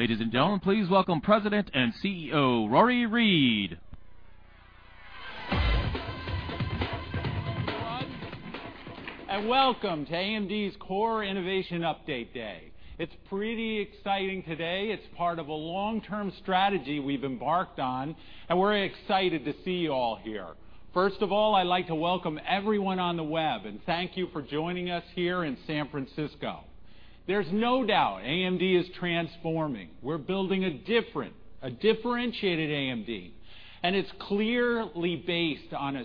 Ladies and gentlemen, please welcome President and CEO, Rory Read. Good morning. Welcome to AMD's Core Innovation Update Day. It's pretty exciting today. It's part of a long-term strategy we've embarked on. We're excited to see you all here. First of all, I'd like to welcome everyone on the web. Thank you for joining us here in San Francisco. There's no doubt AMD is transforming. We're building a different, a differentiated AMD. It's clearly based on a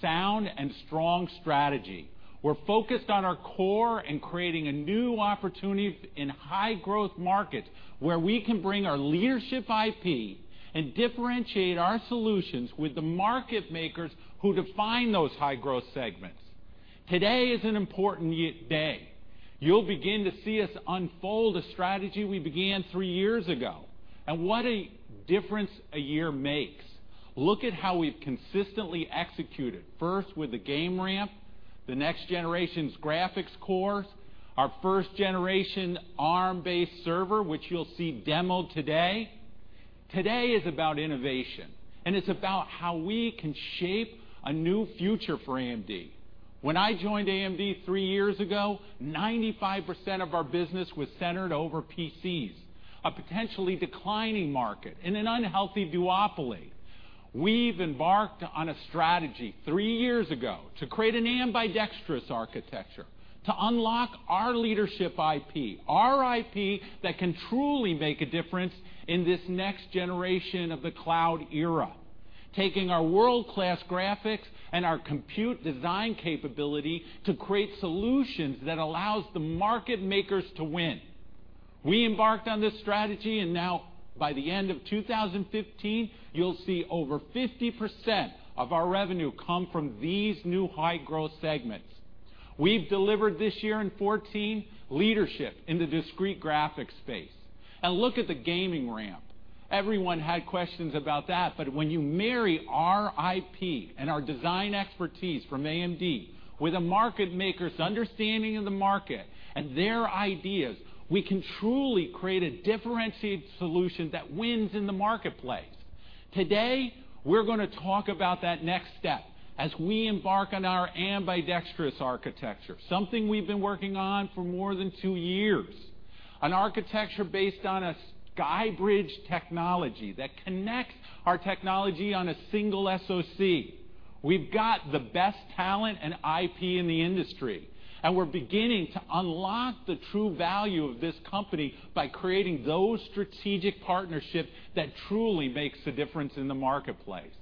sound and strong strategy. We're focused on our core. Creating new opportunities in high-growth markets where we can bring our leadership IP and differentiate our solutions with the market makers who define those high-growth segments. Today is an important day. You'll begin to see us unfold a strategy we began 3 years ago. What a difference a year makes. Look at how we've consistently executed, first with the game ramp, the next generation's graphics cores, our first-generation Arm-based server, which you'll see demoed today. Today is about innovation. It's about how we can shape a new future for AMD. When I joined AMD three years ago, 95% of our business was centered over PCs, a potentially declining market in an unhealthy duopoly. We've embarked on a strategy three years ago to create an ambidextrous architecture to unlock our leadership IP, our IP that can truly make a difference in this next generation of the cloud era. Taking our world-class graphics and our compute design capability to create solutions that allow the market makers to win. We embarked on this strategy. Now by the end of 2015, you'll see over 50% of our revenue come from these new high-growth segments. We've delivered this year in 2014 leadership in the discrete graphics space. Look at the gaming ramp. Everyone had questions about that, but when you marry our IP and our design expertise from AMD with a market maker's understanding of the market and their ideas, we can truly create a differentiated solution that wins in the marketplace. Today, we're going to talk about that next step as we embark on our ambidextrous architecture, something we've been working on for more than two years. An architecture based on a SkyBridge technology that connects our technology on a single SoC. We've got the best talent and IP in the industry. We're beginning to unlock the true value of this company by creating those strategic partnerships that truly make a difference in the marketplace.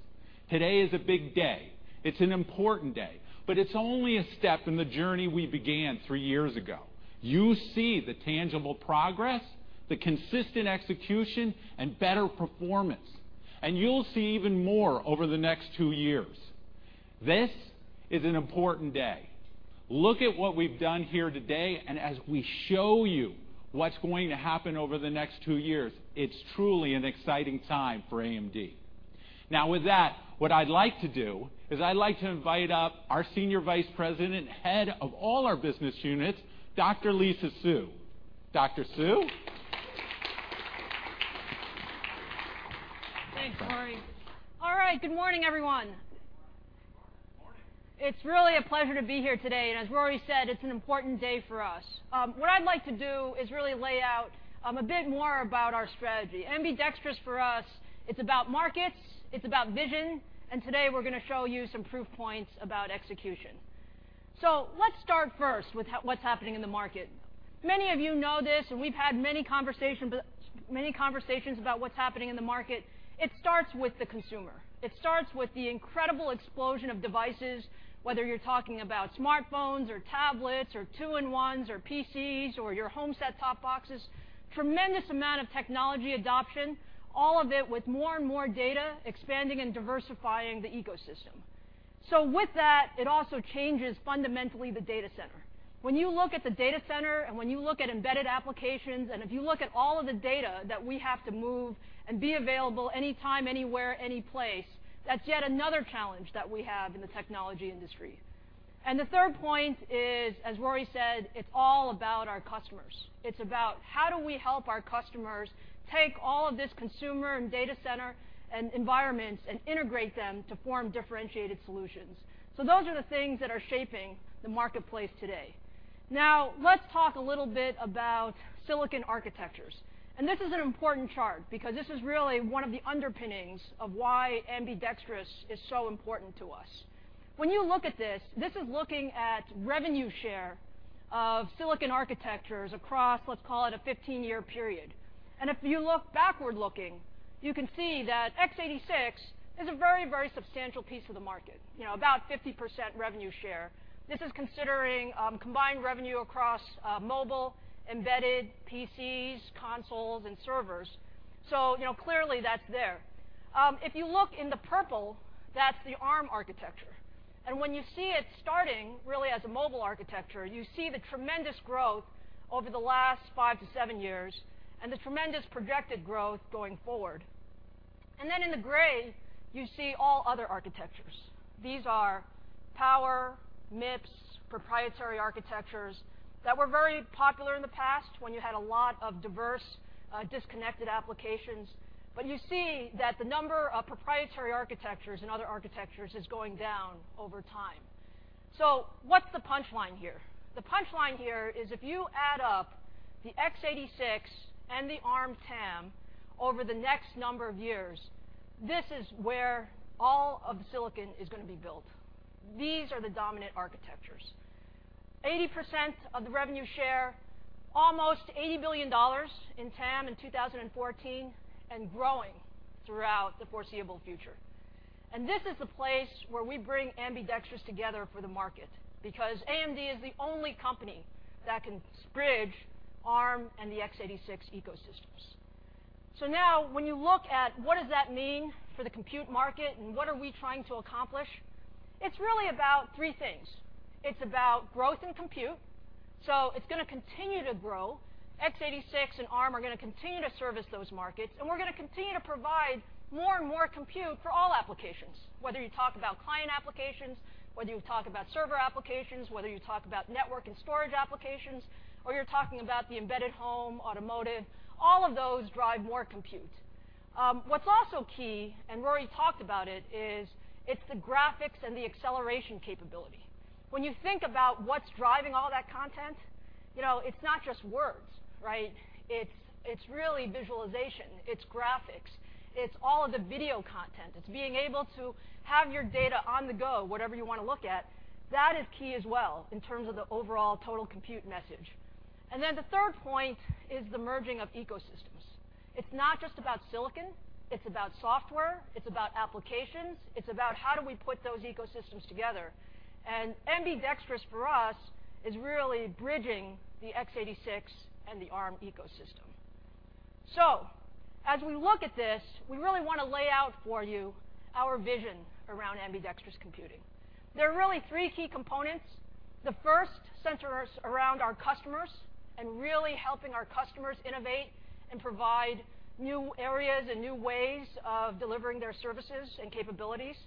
Today is a big day. It's an important day, it's only a step in the journey we began three years ago. You see the tangible progress, the consistent execution, and better performance, and you'll see even more over the next two years. This is an important day. Look at what we've done here today, and as we show you what's going to happen over the next two years, it's truly an exciting time for AMD. With that, what I'd like to do is I'd like to invite up our Senior Vice President, head of all our business units, Dr. Lisa Su. Dr. Su? Thanks, Rory. All right. Good morning, everyone. Good morning. It's really a pleasure to be here today, as Rory said, it's an important day for us. What I'd like to do is really lay out a bit more about our strategy. Ambidextrous for us, it's about markets, it's about vision, and today we're going to show you some proof points about execution. Let's start first with what's happening in the market. Many of you know this, we've had many conversations about what's happening in the market. It starts with the consumer. It starts with the incredible explosion of devices, whether you're talking about smartphones or tablets or two-in-ones or PCs or your home set-top boxes. Tremendous amount of technology adoption, all of it with more and more data expanding and diversifying the ecosystem. With that, it also changes fundamentally the data center. When you look at the data center and when you look at embedded applications, if you look at all of the data that we have to move and be available anytime, anywhere, any place, that's yet another challenge that we have in the technology industry. The third point is, as Rory said, it's all about our customers. It's about how do we help our customers take all of this consumer and data center and environments and integrate them to form differentiated solutions. Those are the things that are shaping the marketplace today. Now, let's talk a little bit about silicon architectures. This is an important chart because this is really one of the underpinnings of why ambidextrous is so important to us. When you look at this is looking at revenue share of silicon architectures across, let's call it, a 15-year period. If you look backward-looking, you can see that x86 is a very substantial piece of the market. About 50% revenue share. This is considering combined revenue across mobile, embedded, PCs, consoles, and servers. Clearly that's there. If you look in the purple, that's the Arm architecture. When you see it starting really as a mobile architecture, you see the tremendous growth over the last five to seven years and the tremendous projected growth going forward. Then in the gray, you see all other architectures. These are Power, MIPS, proprietary architectures that were very popular in the past when you had a lot of diverse, disconnected applications. You see that the number of proprietary architectures and other architectures is going down over time. What's the punchline here? The punchline here is if you add up the x86 and the Arm TAM over the next number of years, this is where all of the silicon is going to be built. These are the dominant architectures. 80% of the revenue share, almost $80 billion in TAM in 2014, growing throughout the foreseeable future. This is the place where we bring ambidextrous together for the market because AMD is the only company that can bridge Arm and the x86 ecosystems. Now when you look at what does that mean for the compute market and what are we trying to accomplish, it's really about three things. It's about growth and compute, it's going to continue to grow. x86 and Arm are going to continue to service those markets, we're going to continue to provide more and more compute for all applications, whether you talk about client applications, whether you talk about server applications, whether you talk about network and storage applications, or you're talking about the embedded home, automotive, all of those drive more compute. What's also key, and Rory talked about it, is it's the graphics and the acceleration capability. When you think about what's driving all that content, it's not just words, right? It's really visualization. It's graphics. It's all of the video content. It's being able to have your data on the go, whatever you want to look at. That is key as well in terms of the overall total compute message. Then the third point is the merging of ecosystems. It's not just about silicon. It's about software. It's about applications. It's about how do we put those ecosystems together? Ambidextrous for us is really bridging the x86 and the Arm ecosystem. As we look at this, we really want to lay out for you our vision around ambidextrous computing. There are really three key components. The first centers around our customers and really helping our customers innovate and provide new areas and new ways of delivering their services and capabilities.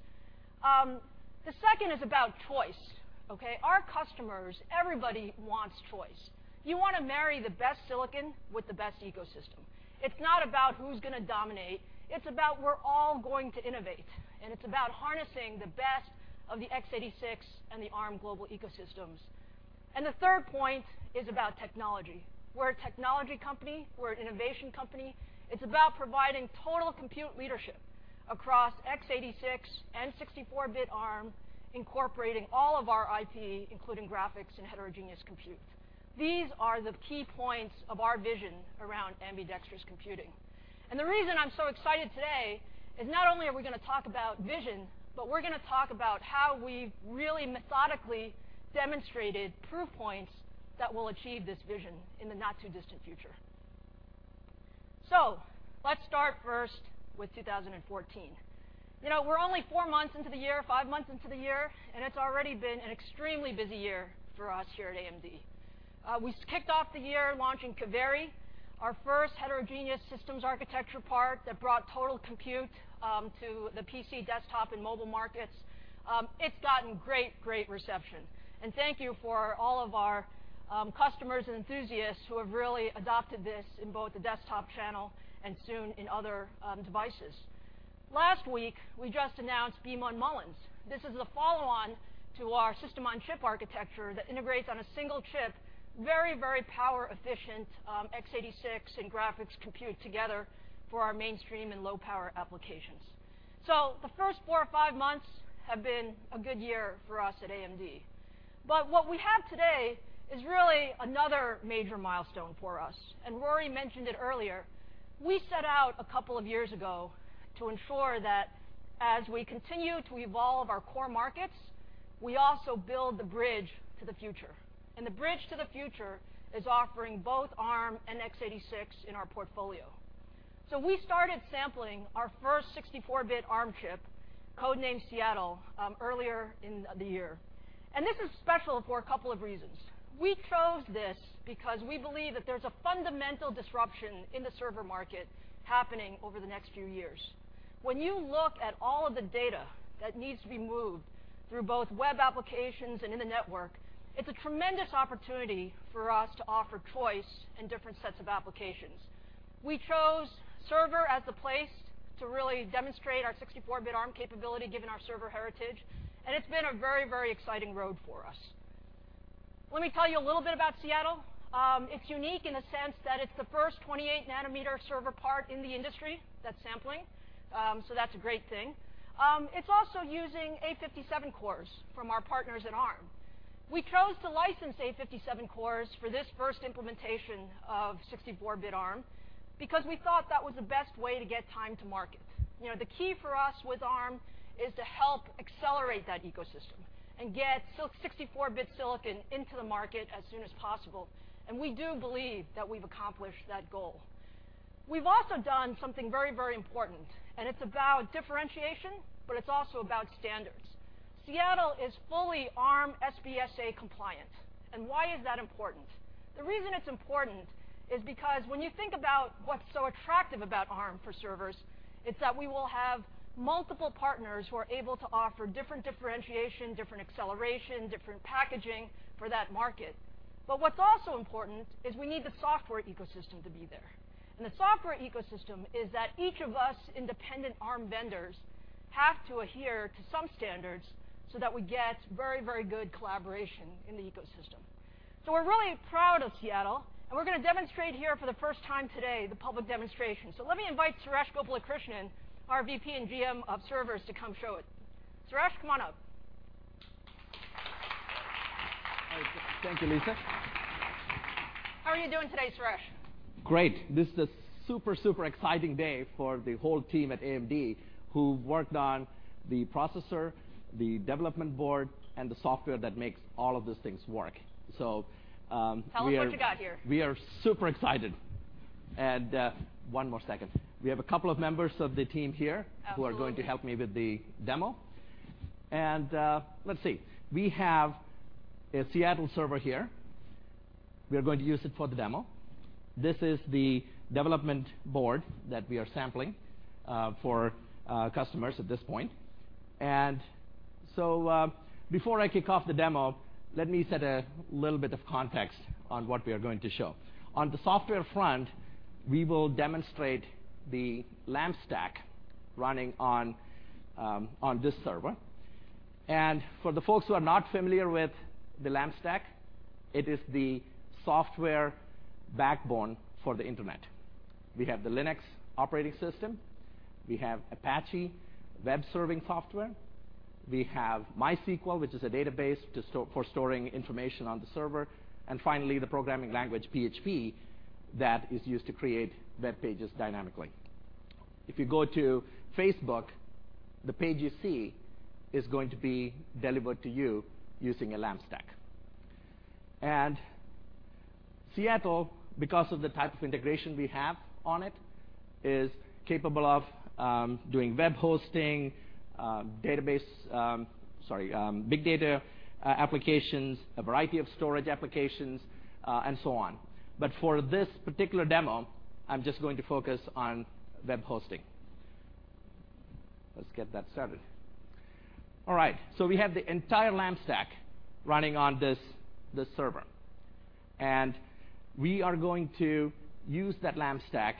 The second is about choice. Okay? Our customers, everybody wants choice. You want to marry the best silicon with the best ecosystem. It's not about who's going to dominate. It's about we're all going to innovate, and it's about harnessing the best of the x86 and the Arm global ecosystems. The third point is about technology. We're a technology company. We're an innovation company. Thank you for all of our customers and enthusiasts who have really adopted this in both the desktop channel and soon in other devices. Last week, we just announced Beema and Mullins. This is the follow-on to our system-on-chip architecture that integrates on a single chip very power-efficient x86 and graphics compute together for our mainstream and low-power applications. The first four or five months have been a good year for us at AMD. What we have today is really another major milestone for us, and Rory mentioned it earlier. We set out a couple of years ago to ensure that as we continue to evolve our core markets, we also build the bridge to the future, and the bridge to the future is offering both Arm and x86 in our portfolio. we started sampling our first 64-bit Arm chip, codenamed Seattle, earlier in the year. This is special for a couple of reasons. We chose this because we believe that there's a fundamental disruption in the server market happening over the next few years. When you look at all of the data that needs to be moved through both web applications and in the network, it's a tremendous opportunity for us to offer choice in different sets of applications. We chose server as the place to really demonstrate our 64-bit Arm capability, given our server heritage, and it's been a very exciting road for us. and get 64-bit silicon into the market as soon as possible, and we do believe that we've accomplished that goal. We've also done something very important, and it's about differentiation, but it's also about standards. Seattle is fully Arm SBSA compliant. Why is that important? The reason it's important is because when you think about what's so attractive about Arm for servers, it's that we will have multiple partners who are able to offer different differentiation, different acceleration, different packaging for that market. What's also important is we need the software ecosystem to be there. The software ecosystem is that each of us independent Arm vendors have to adhere to some standards so that we get very good collaboration in the ecosystem. We're really proud of Seattle, and we're going to demonstrate here for the first time today, the public demonstration. Let me invite Suresh Gopalakrishnan, our VP and GM of servers, to come show it. Suresh, come on up. Thank you, Lisa. How are you doing today, Suresh? Great. This is a super exciting day for the whole team at AMD who've worked on the processor, the development board, and the software that makes all of these things work. Tell them what you got here. We are super excited. One more second. We have a couple of members of the team here. Absolutely Who are going to help me with the demo. Let's see. We have a Seattle server here. We are going to use it for the demo. This is the development board that we are sampling for customers at this point. Before I kick off the demo, let me set a little bit of context on what we are going to show. On the software front, we will demonstrate the LAMP stack running on this server. For the folks who are not familiar with the LAMP stack, it is the software backbone for the internet. We have the Linux operating system, we have Apache web serving software, we have MySQL, which is a database for storing information on the server. Finally, the programming language PHP, that is used to create web pages dynamically. If you go to Facebook, the page you see is going to be delivered to you using a LAMP stack. Seattle, because of the type of integration we have on it, is capable of doing web hosting, big data applications, a variety of storage applications, and so on. For this particular demo, I'm just going to focus on web hosting. Let's get that started. Right. We have the entire LAMP stack running on this server. We are going to use that LAMP stack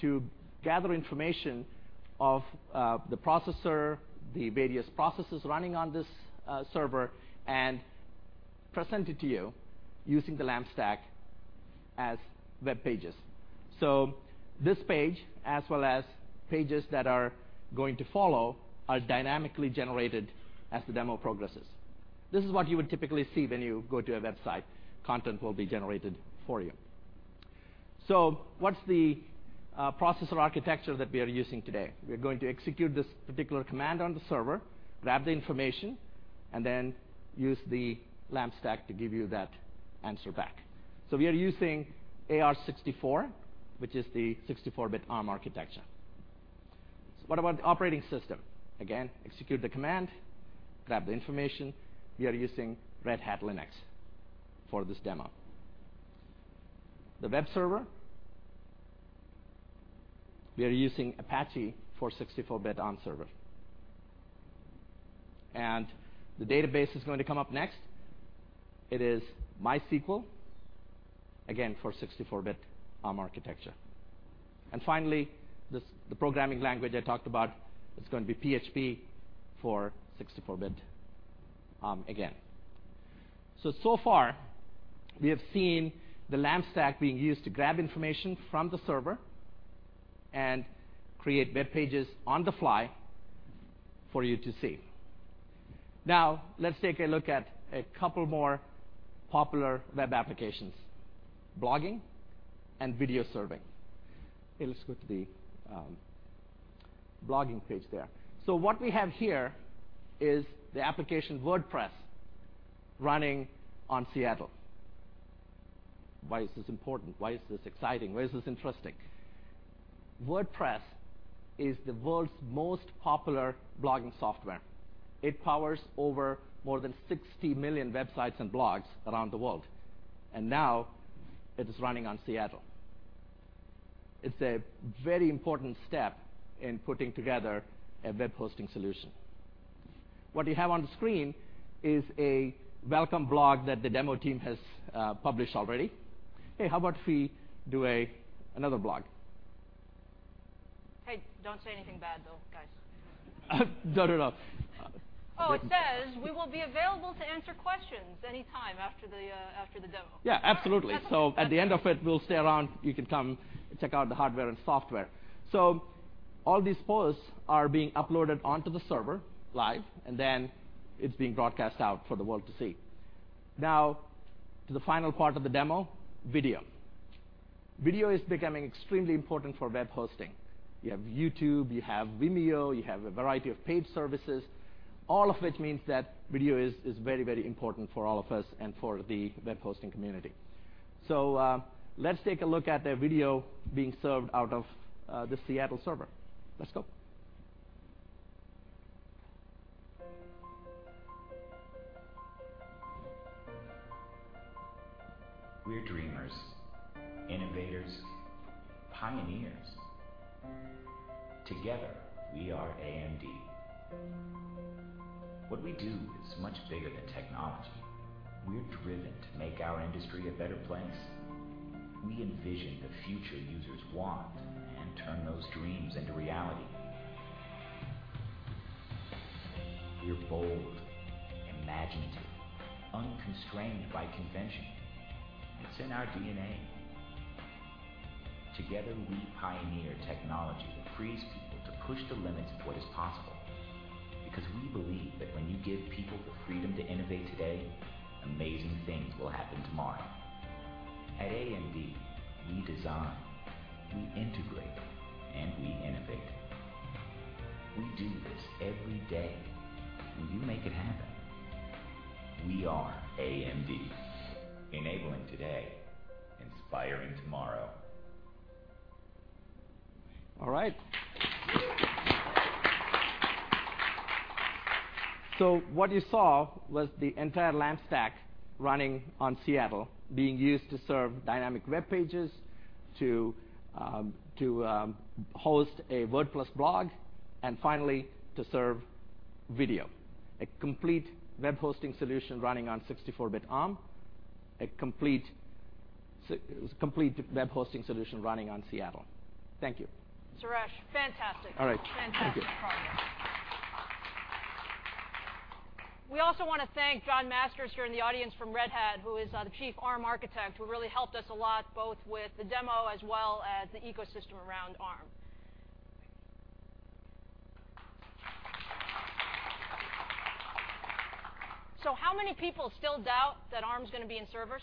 to gather information of the processor, the various processes running on this server and present it to you using the LAMP stack as web pages. This page, as well as pages that are going to follow, are dynamically generated as the demo progresses. This is what you would typically see when you go to a website. Content will be generated for you. What's the processor architecture that we are using today? We're going to execute this particular command on the server, grab the information, and then use the LAMP stack to give you that answer back. We are using AArch64, which is the 64-bit Arm architecture. What about the operating system? Again, execute the command, grab the information. We are using Red Hat Linux for this demo. The web server, we are using Apache for 64-bit Arm server. The database is going to come up next. It is MySQL, again for 64-bit Arm architecture. Finally, the programming language I talked about is going to be PHP for 64-bit Arm again. So far we have seen the LAMP stack being used to grab information from the server and create web pages on the fly for you to see. Let's take a look at a couple more popular web applications, blogging and video serving. Let's go to the blogging page there. What we have here is the application WordPress running on Seattle. Why is this important? Why is this exciting? Why is this interesting? WordPress is the world's most popular blogging software. It powers over more than 60 million websites and blogs around the world. Now it is running on Seattle. It's a very important step in putting together a web hosting solution. What you have on the screen is a welcome blog that the demo team has published already. Hey, how about we do another blog? Hey, don't say anything bad though, guys. No. Oh, it says we will be available to answer questions anytime after the demo. Yeah, absolutely. All right. That's good. At the end of it, we'll stay around. You can come check out the hardware and software. All these posts are being uploaded onto the server live, and then it's being broadcast out for the world to see. Now to the final part of the demo, video. Video is becoming extremely important for web hosting. You have YouTube, you have Vimeo, you have a variety of paid services, all of which means that video is very important for all of us and for the web hosting community. Let's take a look at the video being served out of the Seattle server. Let's go. We're dreamers, innovators, pioneers. Together, we are AMD. What we do is much bigger than technology. We're driven to make our industry a better place. We envision the future users want and turn those dreams into reality. We're bold, imaginative, unconstrained by convention. It's in our DNA. Together, we pioneer technology that frees people to push the limits of what is possible, because we believe that when you give people the freedom to innovate today, amazing things will happen tomorrow. At AMD, we design, we integrate, and we innovate. We do this every day, and you make it happen. We are AMD. Enabling today, inspiring tomorrow. All right. What you saw was the entire LAMP stack running on Seattle being used to serve dynamic web pages, to host a WordPress blog, and finally to serve video. A complete web hosting solution running on 64-bit Arm, a complete web hosting solution running on Seattle. Thank you. Suresh, fantastic. All right. Thank you. Fantastic partner. We also want to thank Jon Masters here in the audience from Red Hat, who is the Chief Arm Architect, who really helped us a lot, both with the demo as well as the ecosystem around Arm. How many people still doubt that Arm's going to be in servers?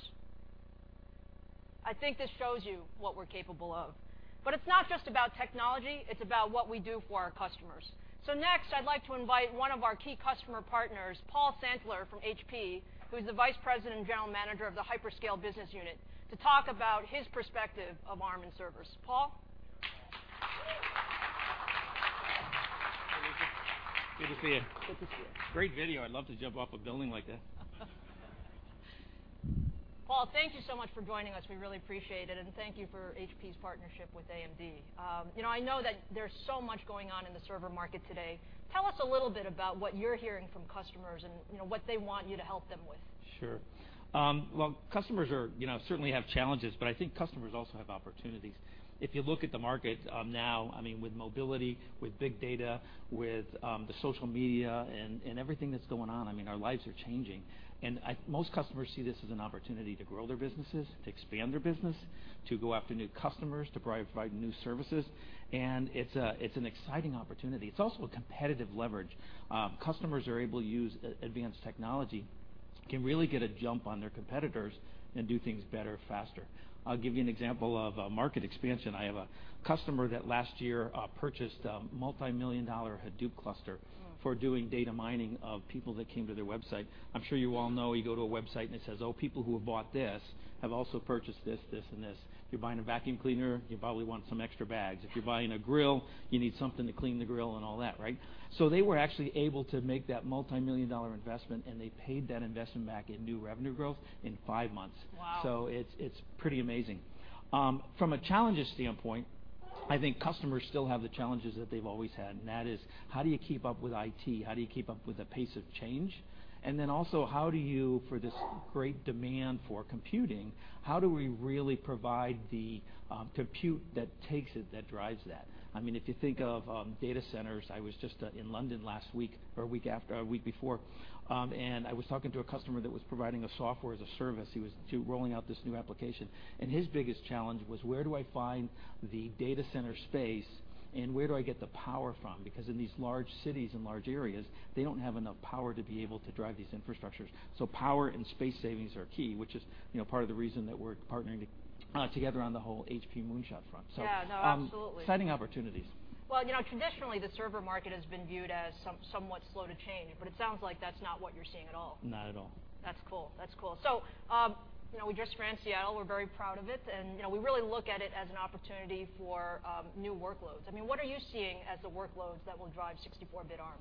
I think this shows you what we're capable of. It's not just about technology, it's about what we do for our customers. Next, I'd like to invite one of our key customer partners, Paul Santeler from HP, who's the Vice President and General Manager of the Hyperscale Business Unit, to talk about his perspective of Arm and servers. Paul? Hi, Lisa. Good to see you. Good to see you. Great video. I'd love to jump off a building like that. Paul, thank you so much for joining us. We really appreciate it, and thank you for HP's partnership with AMD. I know that there's so much going on in the server market today. Tell us a little bit about what you're hearing from customers and what they want you to help them with. Sure. Well, customers certainly have challenges, but I think customers also have opportunities. If you look at the market now, with mobility, with big data, with the social media, and everything that's going on, our lives are changing. Most customers see this as an opportunity to grow their businesses, to expand their business, to go after new customers, to provide new services. It's an exciting opportunity. It's also a competitive leverage. Customers who are able to use advanced technology can really get a jump on their competitors and do things better, faster. I'll give you an example of a market expansion. I have a customer that last year purchased a multimillion-dollar Hadoop cluster for doing data mining of people that came to their website. I'm sure you all know, you go to a website and it says, "Oh, people who have bought this have also purchased this, and this." If you're buying a vacuum cleaner, you probably want some extra bags. If you're buying a grill, you need something to clean the grill and all that, right? They were actually able to make that multimillion-dollar investment, and they paid that investment back in new revenue growth in five months. Wow. It's pretty amazing. From a challenges standpoint, I think customers still have the challenges that they've always had, and that is how do you keep up with IT? How do you keep up with the pace of change? Then also, for this great demand for computing, how do we really provide the compute that takes it, that drives that? If you think of data centers, I was just in London last week or a week before, and I was talking to a customer that was providing a software as a service. He was rolling out this new application. His biggest challenge was where do I find the data center space and where do I get the power from? Because in these large cities and large areas, they don't have enough power to be able to drive these infrastructures. Power and space savings are key, which is part of the reason that we're partnering together on the whole HP Moonshot front. Yeah, no, absolutely. Exciting opportunities. Well, traditionally, the server market has been viewed as somewhat slow to change, but it sounds like that's not what you're seeing at all. Not at all. That's cool. That's cool. We just ran Seattle. We're very proud of it, and we really look at it as an opportunity for new workloads. What are you seeing as the workloads that will drive 64-bit Arm?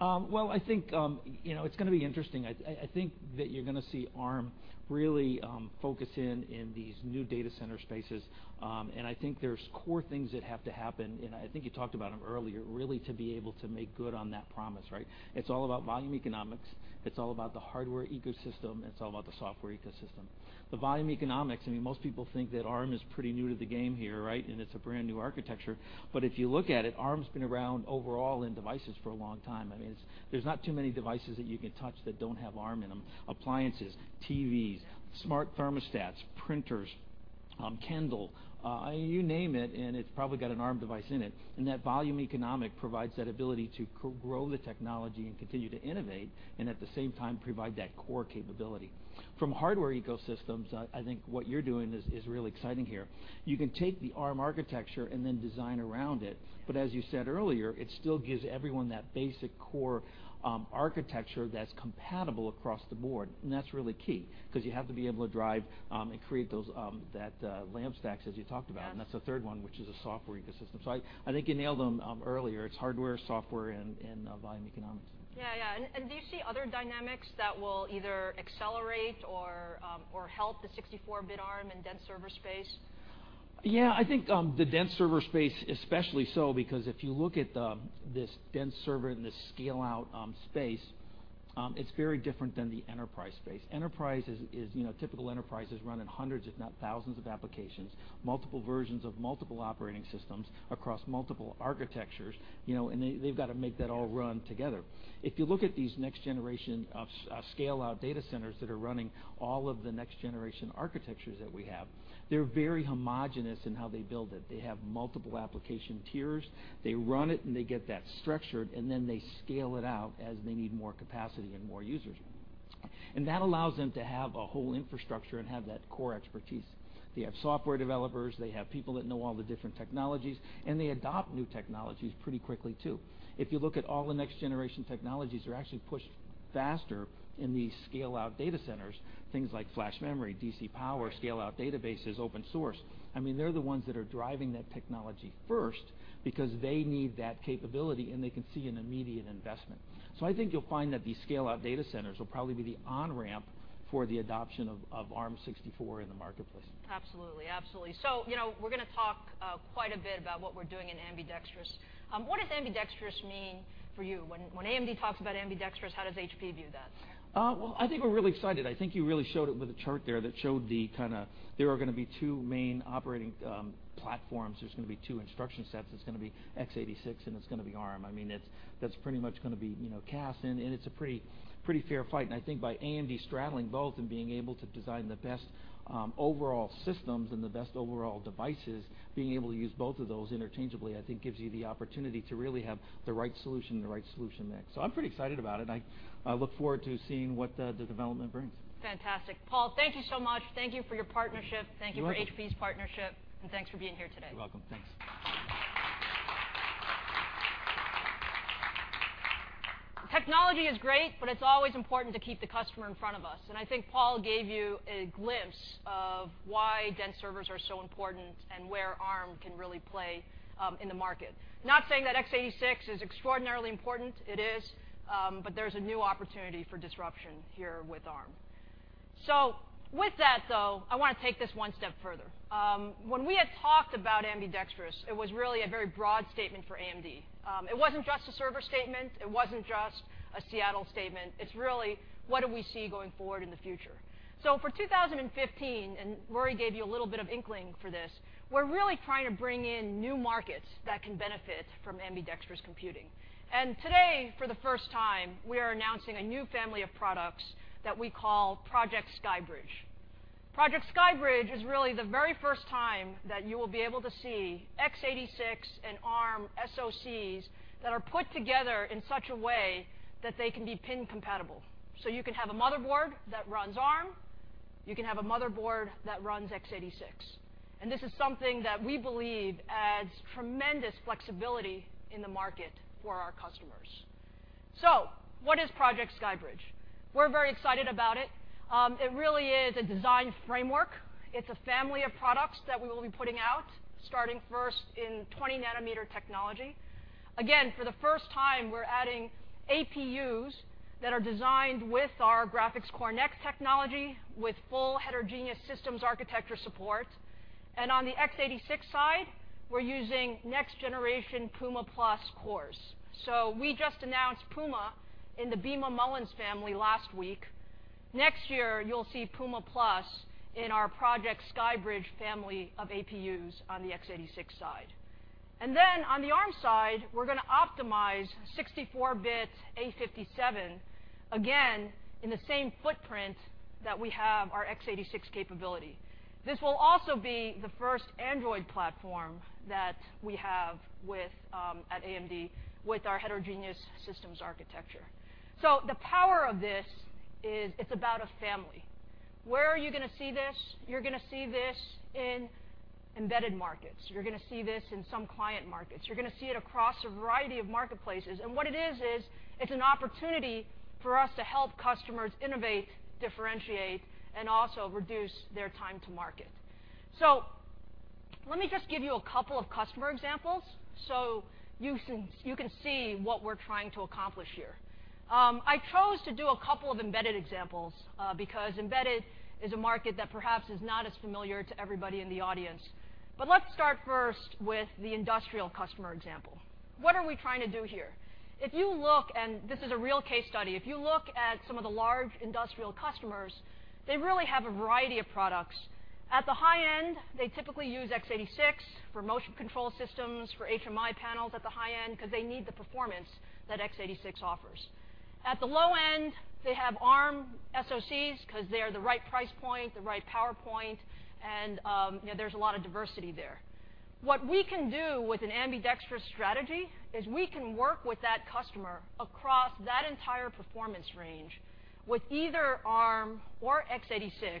I think it's going to be interesting. I think that you're going to see Arm really focus in in these new data center spaces. I think there's core things that have to happen, and I think you talked about them earlier, really to be able to make good on that promise, right? It's all about volume economics, it's all about the hardware ecosystem, it's all about the software ecosystem. The volume economics, most people think that Arm is pretty new to the game here, right? It's a brand-new architecture. If you look at it, Arm's been around overall in devices for a long time. There's not too many devices that you can touch that don't have Arm in them. Appliances, TVs, smart thermostats, printers. Kindle, you name it, and it's probably got an Arm device in it. That volume economic provides that ability to grow the technology and continue to innovate, and at the same time, provide that core capability. From hardware ecosystems, I think what you're doing is really exciting here. You can take the Arm architecture and then design around it, but as you said earlier, it still gives everyone that basic core architecture that's compatible across the board, and that's really key because you have to be able to drive and create that LAMP stacks, as you talked about. Yes. That's the third one, which is a software ecosystem. I think you nailed them earlier. It's hardware, software, and volume economics. Yeah. Do you see other dynamics that will either accelerate or help the 64-bit Arm in dense server space? I think the dense server space, especially so because if you look at this dense server and this scale-out space, it's very different than the enterprise space. Typical enterprise is run in hundreds, if not thousands of applications, multiple versions of multiple operating systems across multiple architectures, and they've got to make that all run together. If you look at these next generation of scale-out data centers that are running all of the next generation architectures that we have, they're very homogeneous in how they build it. They have multiple application tiers. They run it, and they get that structured, then they scale it out as they need more capacity and more users. That allows them to have a whole infrastructure and have that core expertise. They have software developers, they have people that know all the different technologies, and they adopt new technologies pretty quickly, too. If you look at all the next generation technologies are actually pushed faster in these scale-out data centers, things like flash memory, DC power, scale-out databases, open source. They're the ones that are driving that technology first because they need that capability, and they can see an immediate investment. I think you'll find that these scale-out data centers will probably be the on-ramp for the adoption of Arm 64 in the marketplace. Absolutely. We're going to talk quite a bit about what we're doing in ambidextrous. What does ambidextrous mean for you? When AMD talks about ambidextrous, how does HP view that? Well, I think we're really excited. I think you really showed it with a chart there that showed there are going to be two main operating platforms. There's going to be two instruction sets. There's going to be x86, and there's going to be Arm. That's pretty much going to be cast in, and it's a pretty fair fight. I think by AMD straddling both and being able to design the best overall systems and the best overall devices, being able to use both of those interchangeably, I think gives you the opportunity to really have the right solution next. I'm pretty excited about it, and I look forward to seeing what the development brings. Fantastic. Paul, thank you so much. Thank you for your partnership. You're welcome. Thank you for HP's partnership, and thanks for being here today. You're welcome. Thanks. Technology is great, but it's always important to keep the customer in front of us, and I think Paul gave you a glimpse of why dense servers are so important and where Arm can really play in the market. Not saying that x86 is extraordinarily important, it is, but there's a new opportunity for disruption here with Arm. With that, though, I want to take this one step further. When we had talked about ambidextrous, it was really a very broad statement for AMD. It wasn't just a server statement, it wasn't just a Seattle statement. It's really, what do we see going forward in the future? For 2015, and Rory gave you a little bit of inkling for this, we're really trying to bring in new markets that can benefit from ambidextrous computing. Today, for the first time, we are announcing a new family of products that we call Project SkyBridge. Project SkyBridge is really the very first time that you will be able to see x86 and Arm SoCs that are put together in such a way that they can be pin-compatible. You can have a motherboard that runs Arm, you can have a motherboard that runs x86. This is something that we believe adds tremendous flexibility in the market for our customers. What is Project SkyBridge? We're very excited about it. It really is a design framework. It's a family of products that we will be putting out, starting first in 20 nm technology. Again, for the first time, we're adding APUs that are designed with our Graphics Core Next technology with full Heterogeneous System Architecture support. On the x86 side, we're using next generation Puma+ cores. We just announced Puma in the Beema and Mullins family last week. Next year, you'll see Puma+ in our Project SkyBridge family of APUs on the x86 side. Then on the Arm side, we're going to optimize 64-bit A57, again, in the same footprint that we have our x86 capability. This will also be the first Android platform that we have at AMD with our Heterogeneous System Architecture. The power of this is it's about a family. Where are you going to see this? You're going to see this in embedded markets. You're going to see this in some client markets. You're going to see it across a variety of marketplaces. What it is it's an opportunity for us to help customers innovate, differentiate, and also reduce their time to market. Let me just give you a couple of customer examples so you can see what we're trying to accomplish here. I chose to do a couple of embedded examples because embedded is a market that perhaps is not as familiar to everybody in the audience. Let's start first with the industrial customer example. What are we trying to do here? This is a real case study. If you look at some of the large industrial customers, they really have a variety of products. At the high end, they typically use x86 for motion control systems, for HMI panels at the high end because they need the performance that x86 offers. At the low end, they have Arm SoCs because they're the right price point, the right power point, and there's a lot of diversity there. What we can do with an ambidextrous strategy is we can work with that customer across that entire performance range with either Arm or x86,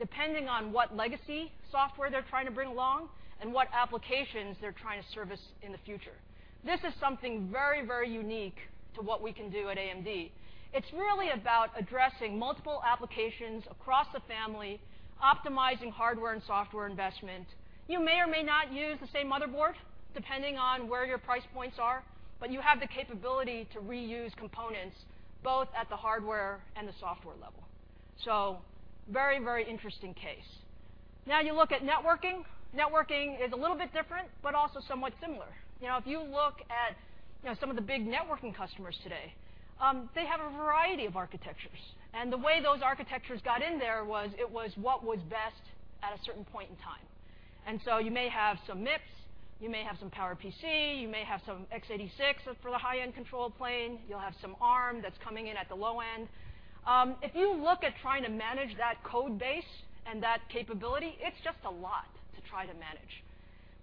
depending on what legacy software they're trying to bring along and what applications they're trying to service in the future. This is something very unique to what we can do at AMD. It's really about addressing multiple applications across the family, optimizing hardware and software investment. You may or may not use the same motherboard, depending on where your price points are, but you have the capability to reuse components both at the hardware and the software level. Very interesting case. You look at networking. Networking is a little bit different, but also somewhat similar. If you look at some of the big networking customers today, they have a variety of architectures. The way those architectures got in there was it was what was best at a certain point in time. You may have some MIPS, you may have some PowerPC, you may have some x86 for the high-end control plane. You'll have some Arm that's coming in at the low end. If you look at trying to manage that code base and that capability, it's just a lot to try to manage.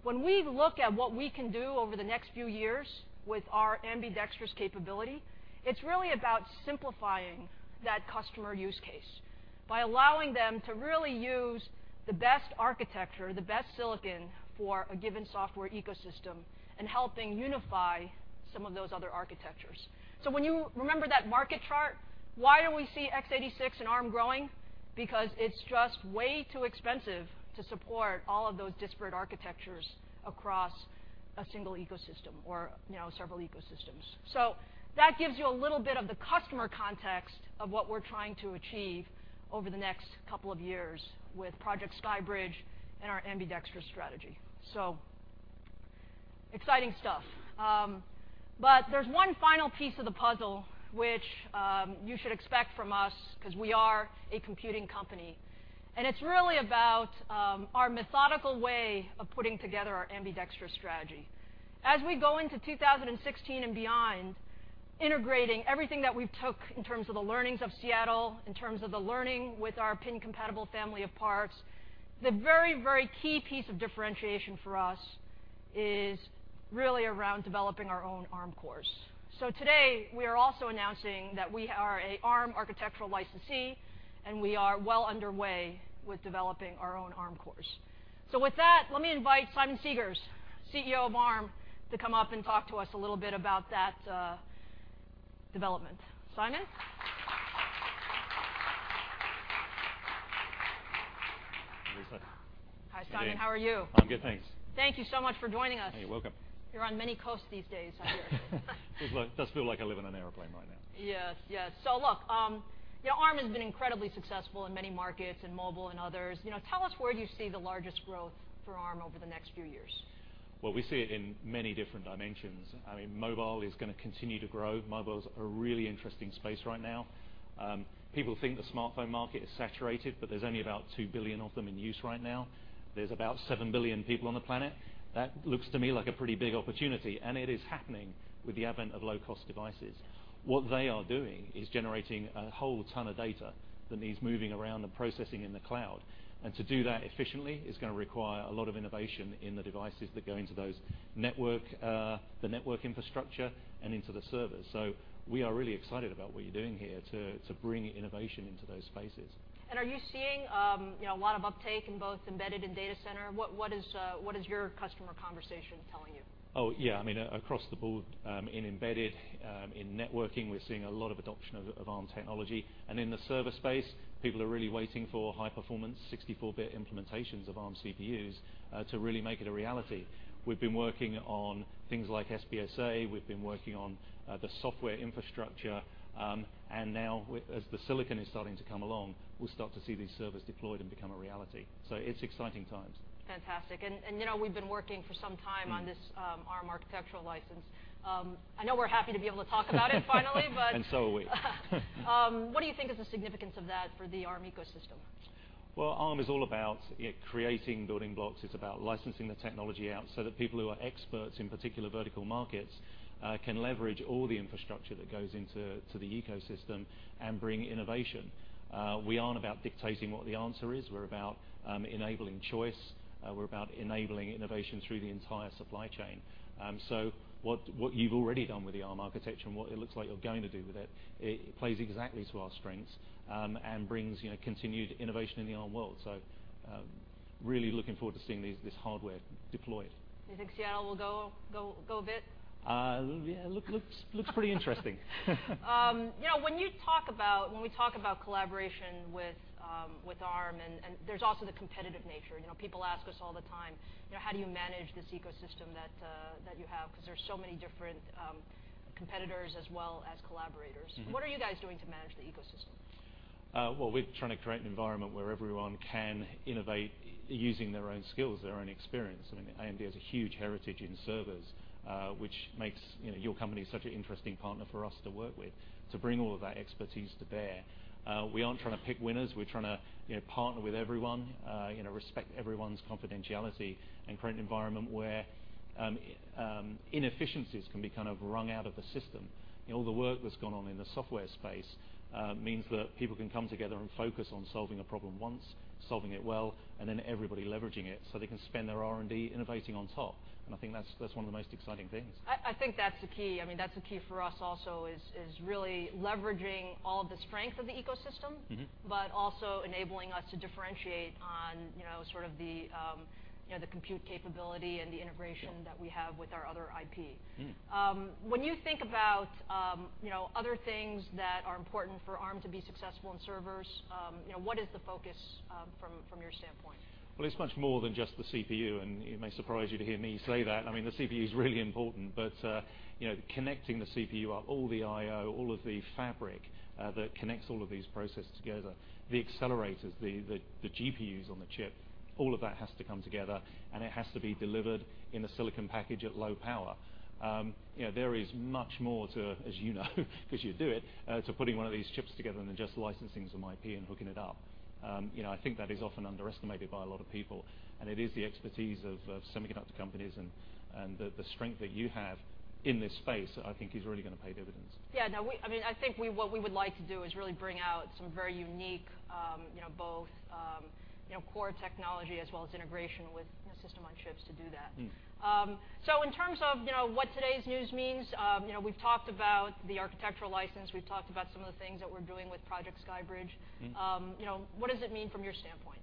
When we look at what we can do over the next few years with our ambidextrous capability, it's really about simplifying that customer use case by allowing them to really use the best architecture, the best silicon for a given software ecosystem and helping unify some of those other architectures. When you remember that market chart, why don't we see x86 and Arm growing? It's just way too expensive to support all of those disparate architectures across a single ecosystem or several ecosystems. That gives you a little bit of the customer context of what we're trying to achieve over the next couple of years with Project SkyBridge and our ambidextrous strategy. Exciting stuff. There's one final piece of the puzzle which you should expect from us because we are a computing company, and it's really about our methodical way of putting together our ambidextrous strategy. As we go into 2016 and beyond, integrating everything that we've took in terms of the learnings of Seattle, in terms of the learning with our pin-compatible family of parts, the very key piece of differentiation for us is really around developing our own Arm cores. Today, we are also announcing that we are an Arm architectural licensee, and we are well underway with developing our own Arm cores. With that, let me invite Simon Segars, CEO of Arm, to come up and talk to us a little bit about that development. Simon? Lisa. Hi, Simon. How are you? I'm good, thanks. Thank you so much for joining us. You're welcome. You're on many coasts these days, I hear. It does feel like I live on an airplane right now. Yes. Look, Arm has been incredibly successful in many markets, in mobile and others. Tell us, where do you see the largest growth for Arm over the next few years? Well, we see it in many different dimensions. Mobile is going to continue to grow. Mobile is a really interesting space right now. People think the smartphone market is saturated, but there's only about 2 billion of them in use right now. There's about 7 billion people on the planet. That looks to me like a pretty big opportunity, and it is happening with the advent of low-cost devices. What they are doing is generating a whole ton of data that needs moving around and processing in the cloud. To do that efficiently is going to require a lot of innovation in the devices that go into the network infrastructure and into the servers. We are really excited about what you're doing here to bring innovation into those spaces. Are you seeing a lot of uptake in both embedded and data center? What is your customer conversation telling you? Oh, yeah. Across the board, in embedded, in networking, we're seeing a lot of adoption of Arm technology. In the server space, people are really waiting for high-performance, 64-bit implementations of Arm CPUs, to really make it a reality. We've been working on things like SBSA, we've been working on the software infrastructure, and now as the silicon is starting to come along, we'll start to see these servers deployed and become a reality. It's exciting times. Fantastic. We've been working for some time on this Arm architectural license. I know we're happy to be able to talk about it finally. So are we. What do you think is the significance of that for the Arm ecosystem? Well, Arm is all about creating building blocks. It's about licensing the technology out so that people who are experts in particular vertical markets can leverage all the infrastructure that goes into the ecosystem and bring innovation. We aren't about dictating what the answer is. We're about enabling choice. We're about enabling innovation through the entire supply chain. What you've already done with the Arm architecture and what it looks like you're going to do with it plays exactly to our strengths, and brings continued innovation in the Arm world. Really looking forward to seeing this hardware deployed. You think Seattle will go a bit? Yeah, looks pretty interesting. When we talk about collaboration with Arm and there's also the competitive nature. People ask us all the time, "How do you manage this ecosystem that you have?" There's so many different competitors as well as collaborators. What are you guys doing to manage the ecosystem? Well, we're trying to create an environment where everyone can innovate using their own skills, their own experience. AMD has a huge heritage in servers, which makes your company such an interesting partner for us to work with to bring all of our expertise to bear. We aren't trying to pick winners. We're trying to partner with everyone, respect everyone's confidentiality, and create an environment where inefficiencies can be kind of wrung out of the system. All the work that's gone on in the software space means that people can come together and focus on solving a problem once, solving it well, and then everybody leveraging it so they can spend their R&D innovating on top. I think that's one of the most exciting things. I think that's the key. That's the key for us also, is really leveraging all of the strength of the ecosystem. Also enabling us to differentiate on sort of the compute capability and the integration- Yeah. ...that we have with our other IP. When you think about other things that are important for Arm to be successful in servers, what is the focus from your standpoint? Well, it's much more than just the CPU. It may surprise you to hear me say that. The CPU is really important. Connecting the CPU up, all the IO, all of the fabric that connects all of these processes together, the accelerators, the GPUs on the chip, all of that has to come together. It has to be delivered in a silicon package at low power. There is much more to, as you know because you do it, to putting one of these chips together than just licensing some IP and hooking it up. I think that is often underestimated by a lot of people. It is the expertise of semiconductor companies and the strength that you have in this space, I think is really going to pay dividends. Yeah. No, I think what we would like to do is really bring out some very unique both core technology as well as integration with system on chips to do that. In terms of what today's news means, we've talked about the architectural license, we've talked about some of the things that we're doing with Project SkyBridge. What does it mean from your standpoint?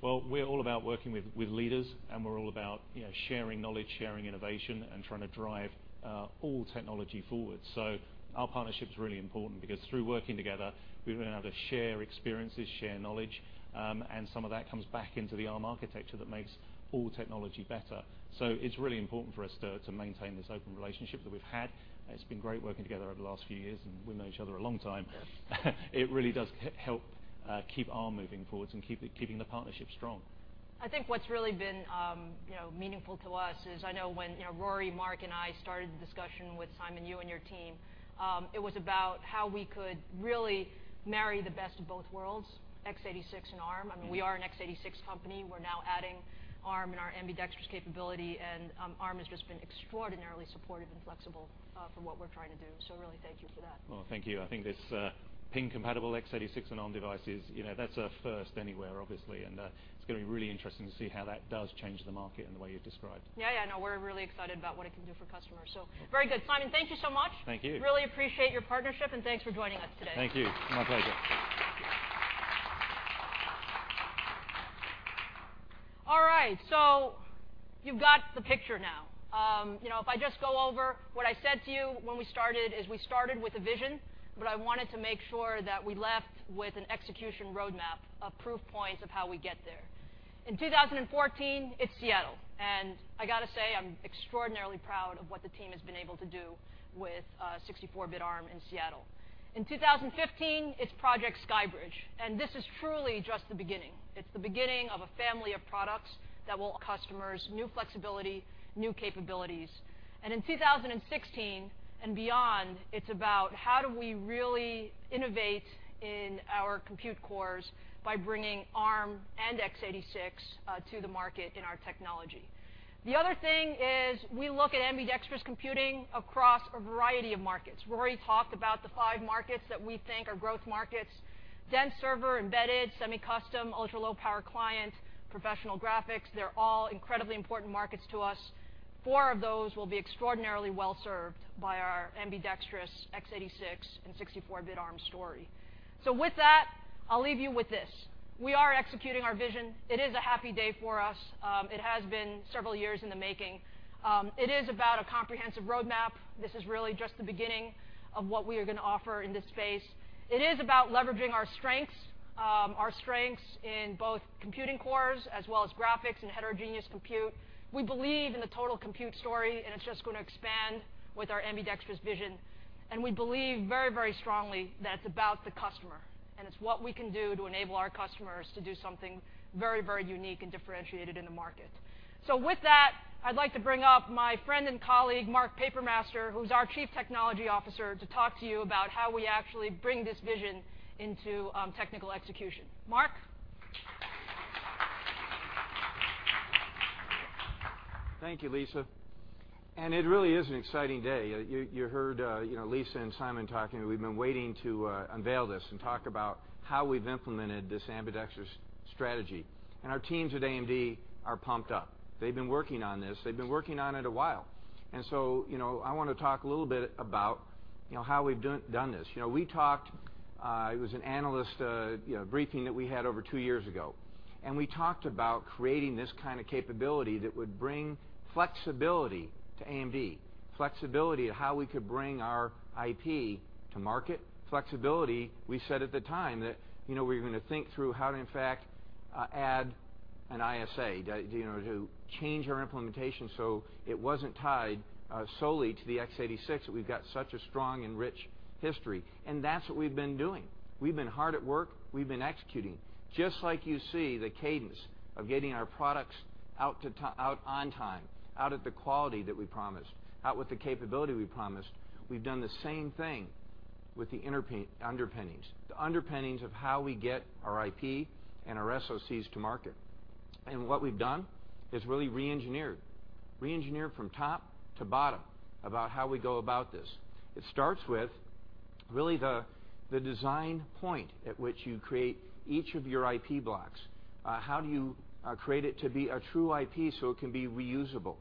We're all about working with leaders, and we're all about sharing knowledge, sharing innovation, and trying to drive all technology forward. Our partnership's really important because through working together, we've been able to share experiences, share knowledge, and some of that comes back into the Arm architecture that makes all technology better. It's really important for us to maintain this open relationship that we've had, and it's been great working together over the last few years, and we've known each other a long time. It really does help keep Arm moving forwards and keeping the partnership strong. I think what's really been meaningful to us is, I know when Rory, Mark, and I started the discussion with Simon, you and your team, it was about how we could really marry the best of both worlds, x86 and Arm. We are an x86 company. We're now adding Arm and our ambidextrous capability. Arm has just been extraordinarily supportive and flexible for what we're trying to do. Really, thank you for that. Well, thank you. I think this pin-compatible x86 and Arm devices, that's a first anywhere, obviously. It's going to be really interesting to see how that does change the market in the way you've described. Yeah. No, we're really excited about what it can do for customers. Very good. Simon, thank you so much. Thank you. Really appreciate your partnership, thanks for joining us today. Thank you. My pleasure. All right, you've got the picture now. If I just go over what I said to you when we started, is we started with a vision, but I wanted to make sure that we left with an execution roadmap of proof points of how we get there. In 2014, it's Seattle, and I got to say, I'm extraordinarily proud of what the team has been able to do with 64-bit Arm in Seattle. In 2015, it's Project SkyBridge, and this is truly just the beginning. It's the beginning of a family of products that will offer customers new flexibility, new capabilities. In 2016 and beyond, it's about how do we really innovate in our compute cores by bringing Arm and x86 to the market in our technology. The other thing is we look at ambidextrous computing across a variety of markets. Rory talked about the five markets that we think are growth markets. Dense server, embedded, semi-custom, ultra-low power client, professional graphics, they're all incredibly important markets to us. Four of those will be extraordinarily well-served by our ambidextrous x86 and 64-bit Arm story. With that, I'll leave you with this. We are executing our vision. It is a happy day for us. It has been several years in the making. It is about a comprehensive roadmap. This is really just the beginning of what we are going to offer in this space. It is about leveraging our strengths, our strengths in both computing cores as well as graphics and heterogeneous compute. We believe in the total compute story, and it's just going to expand with our ambidextrous vision. We believe very strongly that it's about the customer, and it's what we can do to enable our customers to do something very unique and differentiated in the market. With that, I'd like to bring up my friend and colleague, Mark Papermaster, who's our Chief Technology Officer, to talk to you about how we actually bring this vision into technical execution. Mark? Thank you, Lisa. It really is an exciting day. You heard Lisa and Simon talking. We've been waiting to unveil this and talk about how we've implemented this ambidextrous strategy. Our teams at AMD are pumped up. They've been working on this. They've been working on it a while. I want to talk a little bit about how we've done this. We talked, it was an analyst briefing that we had over two years ago, we talked about creating this kind of capability that would bring flexibility to AMD, flexibility to how we could bring our IP to market, flexibility, we said at the time that we were going to think through how to in fact add an ISA, to change our implementation so it wasn't tied solely to the x86 that we've got such a strong and rich history. That's what we've been doing. We've been hard at work. We've been executing. Just like you see the cadence of getting our products out on time, out at the quality that we promised, out with the capability we promised, we've done the same thing. With the underpinnings. The underpinnings of how we get our IP and our SoCs to market. What we've done is really re-engineered. Re-engineered from top to bottom about how we go about this. It starts with really the design point at which you create each of your IP blocks. How do you create it to be a true IP so it can be reusable,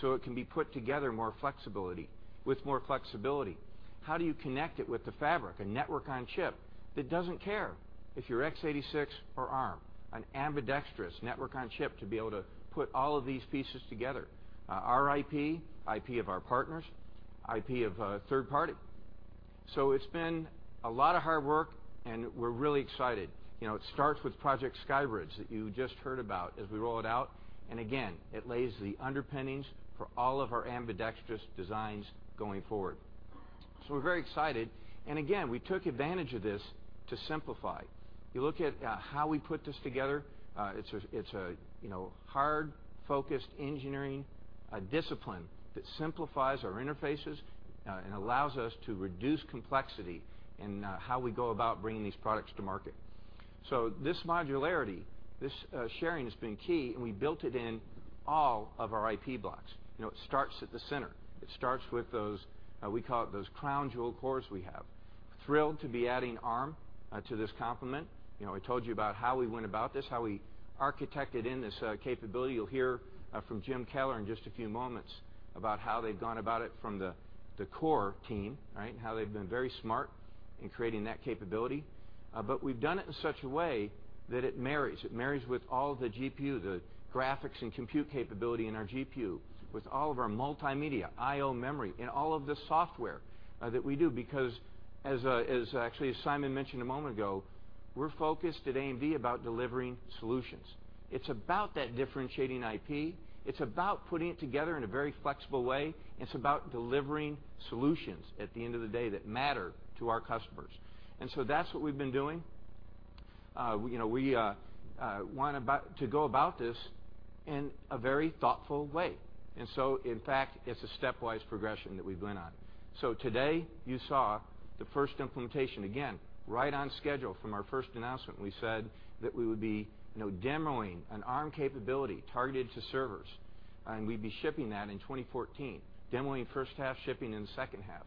so it can be put together with more flexibility? How do you connect it with the fabric, a network on chip that doesn't care if you're x86 or Arm? An ambidextrous network on chip to be able to put all of these pieces together, our IP of our partners, IP of a third party. It's been a lot of hard work, and we're really excited. It starts with Project SkyBridge that you just heard about as we roll it out, again, it lays the underpinnings for all of our ambidextrous designs going forward. We're very excited, again, we took advantage of this to simplify. You look at how we put this together, it's a hard-focused engineering discipline that simplifies our interfaces and allows us to reduce complexity in how we go about bringing these products to market. This modularity, this sharing has been key, and we built it in all of our IP blocks. It starts at the center. It starts with those, we call it those crown jewel cores we have. Thrilled to be adding Arm to this complement. I told you about how we went about this, how we architected in this capability. You'll hear from Jim Keller in just a few moments about how they've gone about it from the core team. How they've been very smart in creating that capability. We've done it in such a way that it marries. It marries with all the GPU, the graphics and compute capability in our GPU, with all of our multimedia, I/O memory, and all of the software that we do because as actually as Simon mentioned a moment ago, we're focused at AMD about delivering solutions. It's about that differentiating IP. It's about putting it together in a very flexible way, and it's about delivering solutions at the end of the day that matter to our customers. That's what we've been doing. We want to go about this in a very thoughtful way. In fact, it's a stepwise progression that we've went on. Today, you saw the first implementation, again, right on schedule from our first announcement, we said that we would be demoing an Arm capability targeted to servers, and we'd be shipping that in 2014. Demoing in the first half, shipping in the second half.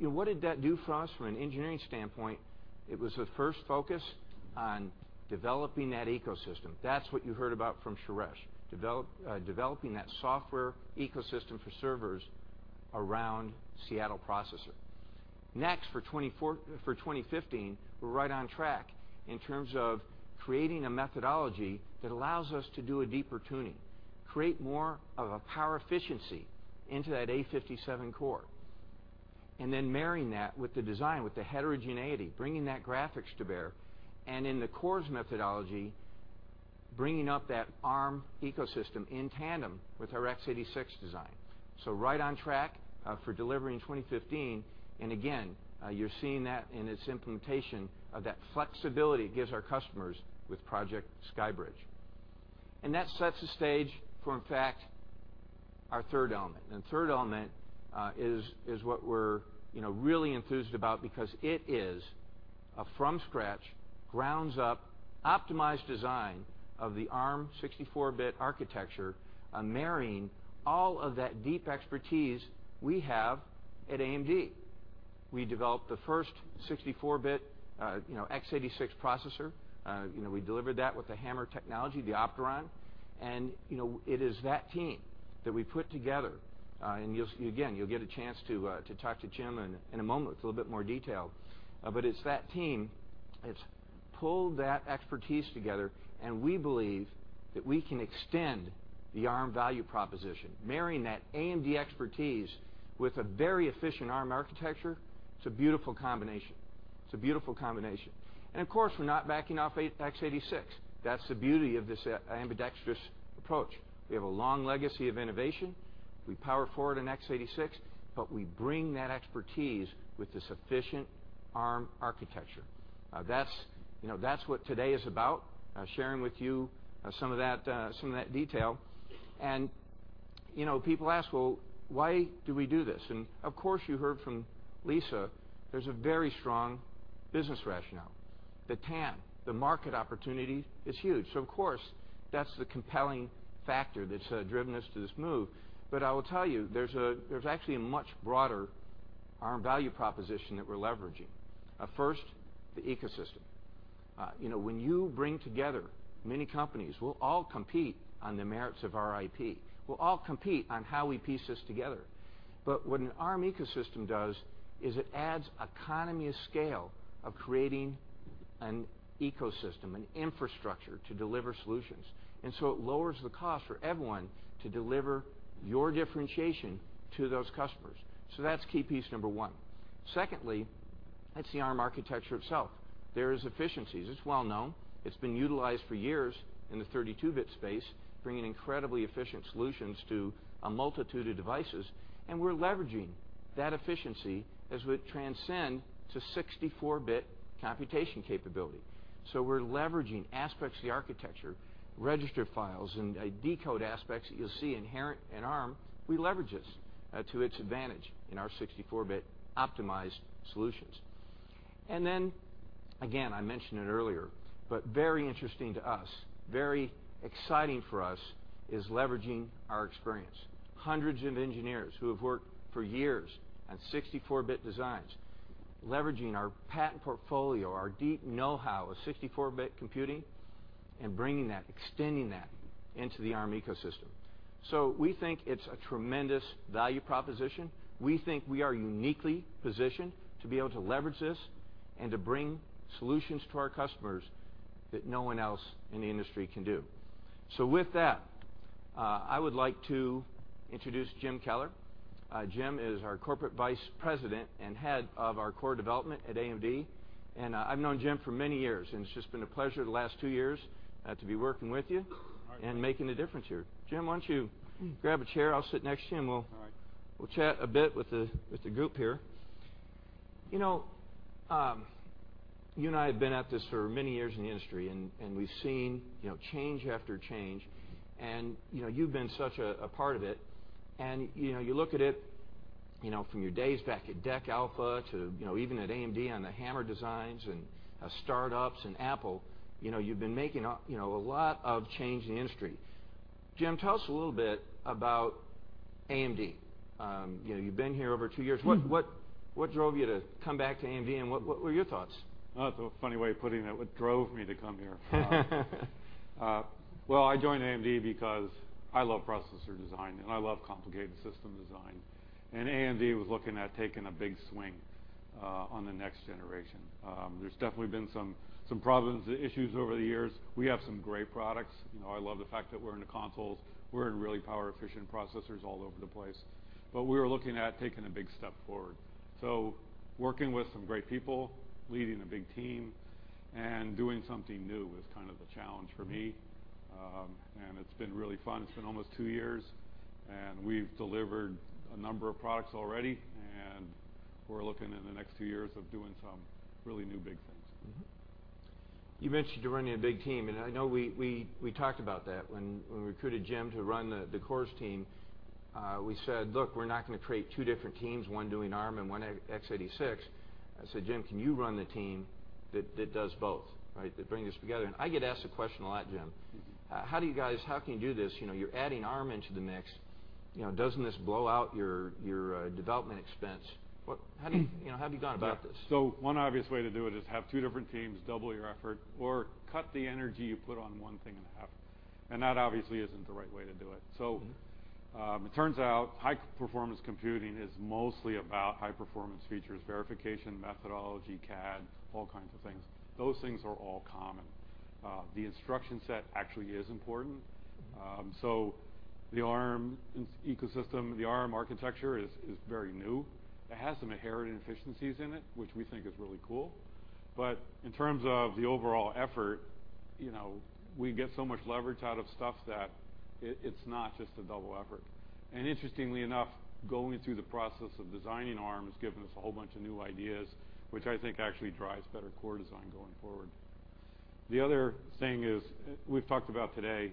What did that do for us from an engineering standpoint? It was the first focus on developing that ecosystem. That's what you heard about from Suresh. Developing that software ecosystem for servers around Seattle processor. Next, for 2015, we're right on track in terms of creating a methodology that allows us to do a deeper tuning, create more of a power efficiency into that Cortex-A57 core. Then marrying that with the design, with the heterogeneity, bringing that graphics to bear, and in the cores methodology, bringing up that Arm ecosystem in tandem with our x86 design. Right on track for delivery in 2015, again, you're seeing that in its implementation of that flexibility it gives our customers with Project SkyBridge. That sets the stage for, in fact, our third element. The third element is what we're really enthused about because it is a from-scratch, grounds-up, optimized design of the Arm 64-bit architecture, marrying all of that deep expertise we have at AMD. We developed the first 64-bit x86 processor. We delivered that with the Hammer technology, the Opteron. It is that team that we put together, again, you'll get a chance to talk to Jim in a moment with a little bit more detail. It's that team that's pulled that expertise together, and we believe that we can extend the Arm value proposition, marrying that AMD expertise with a very efficient Arm architecture. It's a beautiful combination. It's a beautiful combination. Of course, we're not backing off x86. That's the beauty of this ambidextrous approach. We have a long legacy of innovation. We power forward in x86, but we bring that expertise with this efficient Arm architecture. That's what today is about, sharing with you some of that detail. People ask, well, why do we do this? Of course, you heard from Lisa, there's a very strong business rationale. The TAM, the market opportunity is huge. Of course, that's the compelling factor that's driven us to this move. I will tell you, there's actually a much broader Arm value proposition that we're leveraging. First, the ecosystem. When you bring together many companies, we'll all compete on the merits of our IP. We'll all compete on how we piece this together. What an Arm ecosystem does is it adds economy of scale of creating an ecosystem, an infrastructure to deliver solutions. It lowers the cost for everyone to deliver your differentiation to those customers. That's key piece number one. Secondly, it's the Arm architecture itself. There is efficiencies. It's well-known. It's been utilized for years in the 32-bit space, bringing incredibly efficient solutions to a multitude of devices, and we're leveraging that efficiency as we transcend to 64-bit computation capability. We're leveraging aspects of the architecture, register files, and decode aspects that you'll see inherent in Arm. We leverage this to its advantage in our 64-bit optimized solutions. Again, I mentioned it earlier, but very interesting to us, very exciting for us is leveraging our experience. Hundreds of engineers who have worked for years on 64-bit designs, leveraging our patent portfolio, our deep know-how of 64-bit computing, bringing that, extending that into the Arm ecosystem. We think it's a tremendous value proposition. We think we are uniquely positioned to be able to leverage this and to bring solutions to our customers that no one else in the industry can do. With that, I would like to introduce Jim Keller. Jim is our Corporate Vice President and head of our core development at AMD. I've known Jim for many years, and it's just been a pleasure the last two years to be working with you and making a difference here. Jim, why don't you grab a chair? I'll sit next to you. All right We'll chat a bit with the group here. You and I have been at this for many years in the industry, and we've seen change after change, and you've been such a part of it. You look at it, from your days back at DEC Alpha to even at AMD on the Hammer designs and at startups and Apple, you've been making a lot of change in the industry. Jim, tell us a little bit about AMD. You've been here over 2 years. What drove you to come back to AMD, and what were your thoughts? That's a funny way of putting it, what drove me to come here. I joined AMD because I love processor design, and I love complicated system design. AMD was looking at taking a big swing on the next generation. There's definitely been some problems and issues over the years. We have some great products. I love the fact that we're in the consoles. We're in really power-efficient processors all over the place. We were looking at taking a big step forward. Working with some great people, leading a big team, and doing something new was kind of the challenge for me. It's been really fun. It's been almost 2 years, and we've delivered a number of products already. We're looking in the next 2 years of doing some really new, big things. You mentioned running a big team. I know we talked about that. When we recruited Jim to run the cores team, we said, "Look, we're not going to create two different teams, one doing Arm and one x86." I said, "Jim, can you run the team that does both, right? That bring this together." I get asked the question a lot, Jim. How can you do this? You're adding Arm into the mix. Doesn't this blow out your development expense? How have you gone about this? Yeah. One obvious way to do it is have two different teams double your effort or cut the energy you put on one thing in half, and that obviously isn't the right way to do it. It turns out high-performance computing is mostly about high-performance features, verification, methodology, CAD, all kinds of things. Those things are all common. The instruction set actually is important. The Arm ecosystem, the Arm architecture is very new. It has some inherent inefficiencies in it, which we think is really cool. In terms of the overall effort, we get so much leverage out of stuff that it's not just a double effort. Interestingly enough, going through the process of designing Arm has given us a whole bunch of new ideas, which I think actually drives better core design going forward. The other thing is we've talked about today,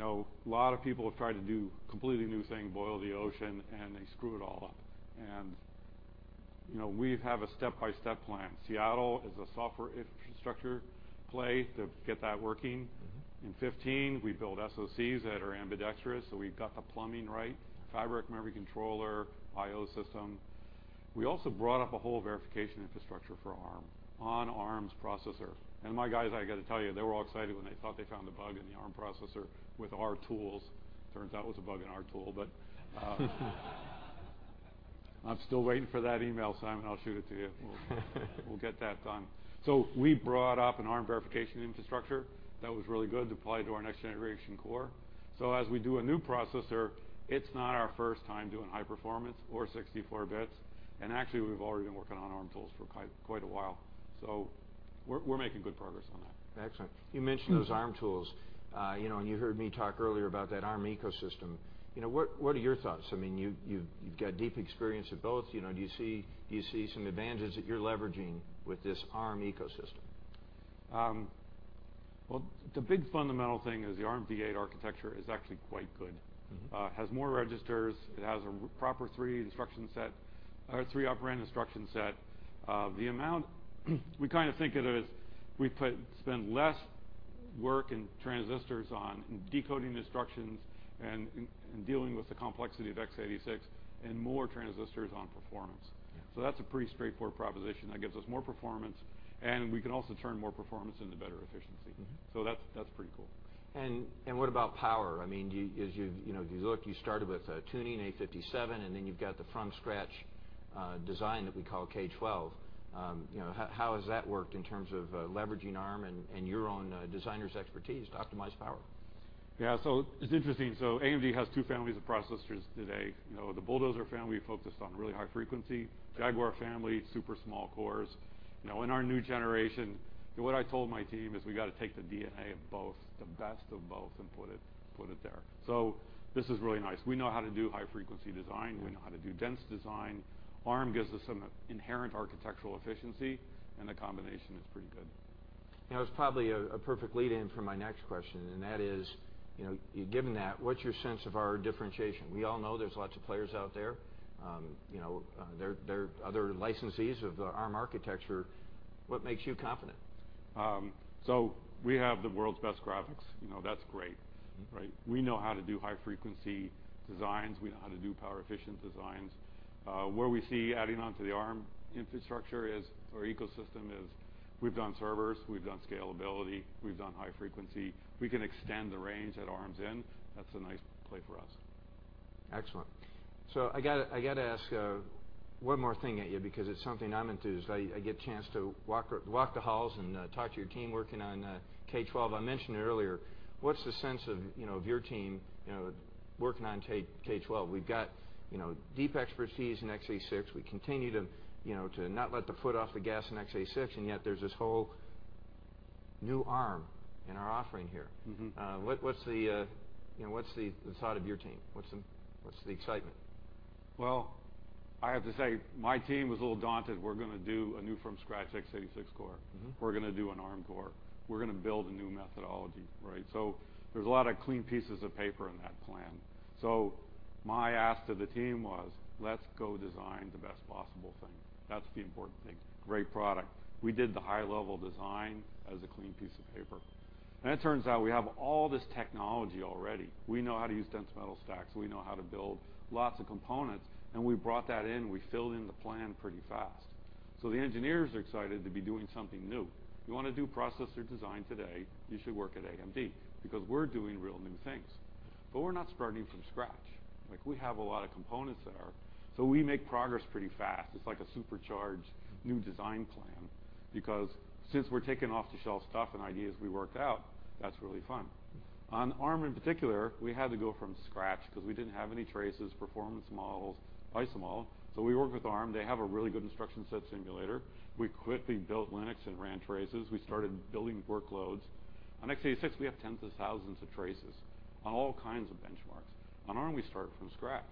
a lot of people have tried to do a completely new thing, boil the ocean, and they screw it all up. We have a step-by-step plan. Seattle is a software infrastructure play to get that working. In 2015, we build SoCs that are ambidextrous, so we've got the plumbing right, fabric, memory controller, IO system. We also brought up a whole verification infrastructure for Arm on Arm's processor. My guys, I got to tell you, they were all excited when they thought they found a bug in the Arm processor with our tools. Turns out it was a bug in our tool. I'm still waiting for that email, Simon. I'll shoot it to you. We'll get that done. We brought up an Arm verification infrastructure that was really good to apply to our next-generation core. As we do a new processor, it's not our first time doing high performance or 64 bits. Actually, we've already been working on Arm tools for quite a while, so we're making good progress on that. Excellent. You mentioned those Arm tools, and you heard me talk earlier about that Arm ecosystem. What are your thoughts? You've got deep experience with both. Do you see some advantages that you're leveraging with this Arm ecosystem? Well, the big fundamental thing is the Armv8 architecture is actually quite good. Has more registers. It has a proper three operand instruction set. We think of it as we spend less work and transistors on decoding instructions and dealing with the complexity of x86 and more transistors on performance. Yeah. That's a pretty straightforward proposition. That gives us more performance, and we can also turn more performance into better efficiency. That's pretty cool. What about power? If you look, you started with tuning Cortex-A57, then you've got the from-scratch design that we call K12. How has that worked in terms of leveraging Arm and your own designers' expertise to optimize power? It's interesting. AMD has two families of processors today. The Bulldozer family focused on really high frequency, Jaguar family, super small cores. In our new generation, what I told my team is we got to take the DNA of both, the best of both, and put it there. This is really nice. We know how to do high-frequency design. Yeah. We know how to do dense design. Arm gives us some inherent architectural efficiency, the combination is pretty good. It's probably a perfect lead-in for my next question, that is, given that, what's your sense of our differentiation? We all know there's lots of players out there. There are other licensees of the Arm architecture. What makes you confident? We have the world's best graphics. That's great, right? We know how to do high-frequency designs. We know how to do power-efficient designs. Where we see adding on to the Arm infrastructure is, or ecosystem is, we've done servers, we've done scalability, we've done high frequency. We can extend the range that Arm's in. That's a nice play for us. Excellent. I got to ask one more thing at you because it's something I'm enthused. I get a chance to walk the halls and talk to your team working on K12. I mentioned it earlier. What's the sense of your team working on K12? We've got deep expertise in x86. We continue to not let the foot off the gas in x86, and yet there's this whole new Arm in our offering here. What's the thought of your team? What's the excitement? Well, I have to say, my team was a little daunted. We're going to do a new from scratch x86 core. We're going to do an Arm core. We're going to build a new methodology, right? There's a lot of clean pieces of paper in that plan. My ask to the team was, let's go design the best possible thing. That's the important thing. Great product. We did the high-level design as a clean piece of paper. It turns out we have all this technology already. We know how to use dense metal stacks. We know how to build lots of components. We brought that in. We filled in the plan pretty fast. The engineers are excited to be doing something new. You want to do processor design today, you should work at AMD because we're doing real new things. We're not starting from scratch. We have a lot of components that are. We make progress pretty fast. It's like a supercharged new design plan, because since we're taking off-the-shelf stuff and ideas we worked out, that's really fun. On Arm in particular, we had to go from scratch because we didn't have any traces, performance models, ISA model. We worked with Arm. They have a really good Instruction Set Simulator. We quickly built Linux and ran traces. We started building workloads. On x86, we have tens of thousands of traces on all kinds of benchmarks. On Arm, we start from scratch.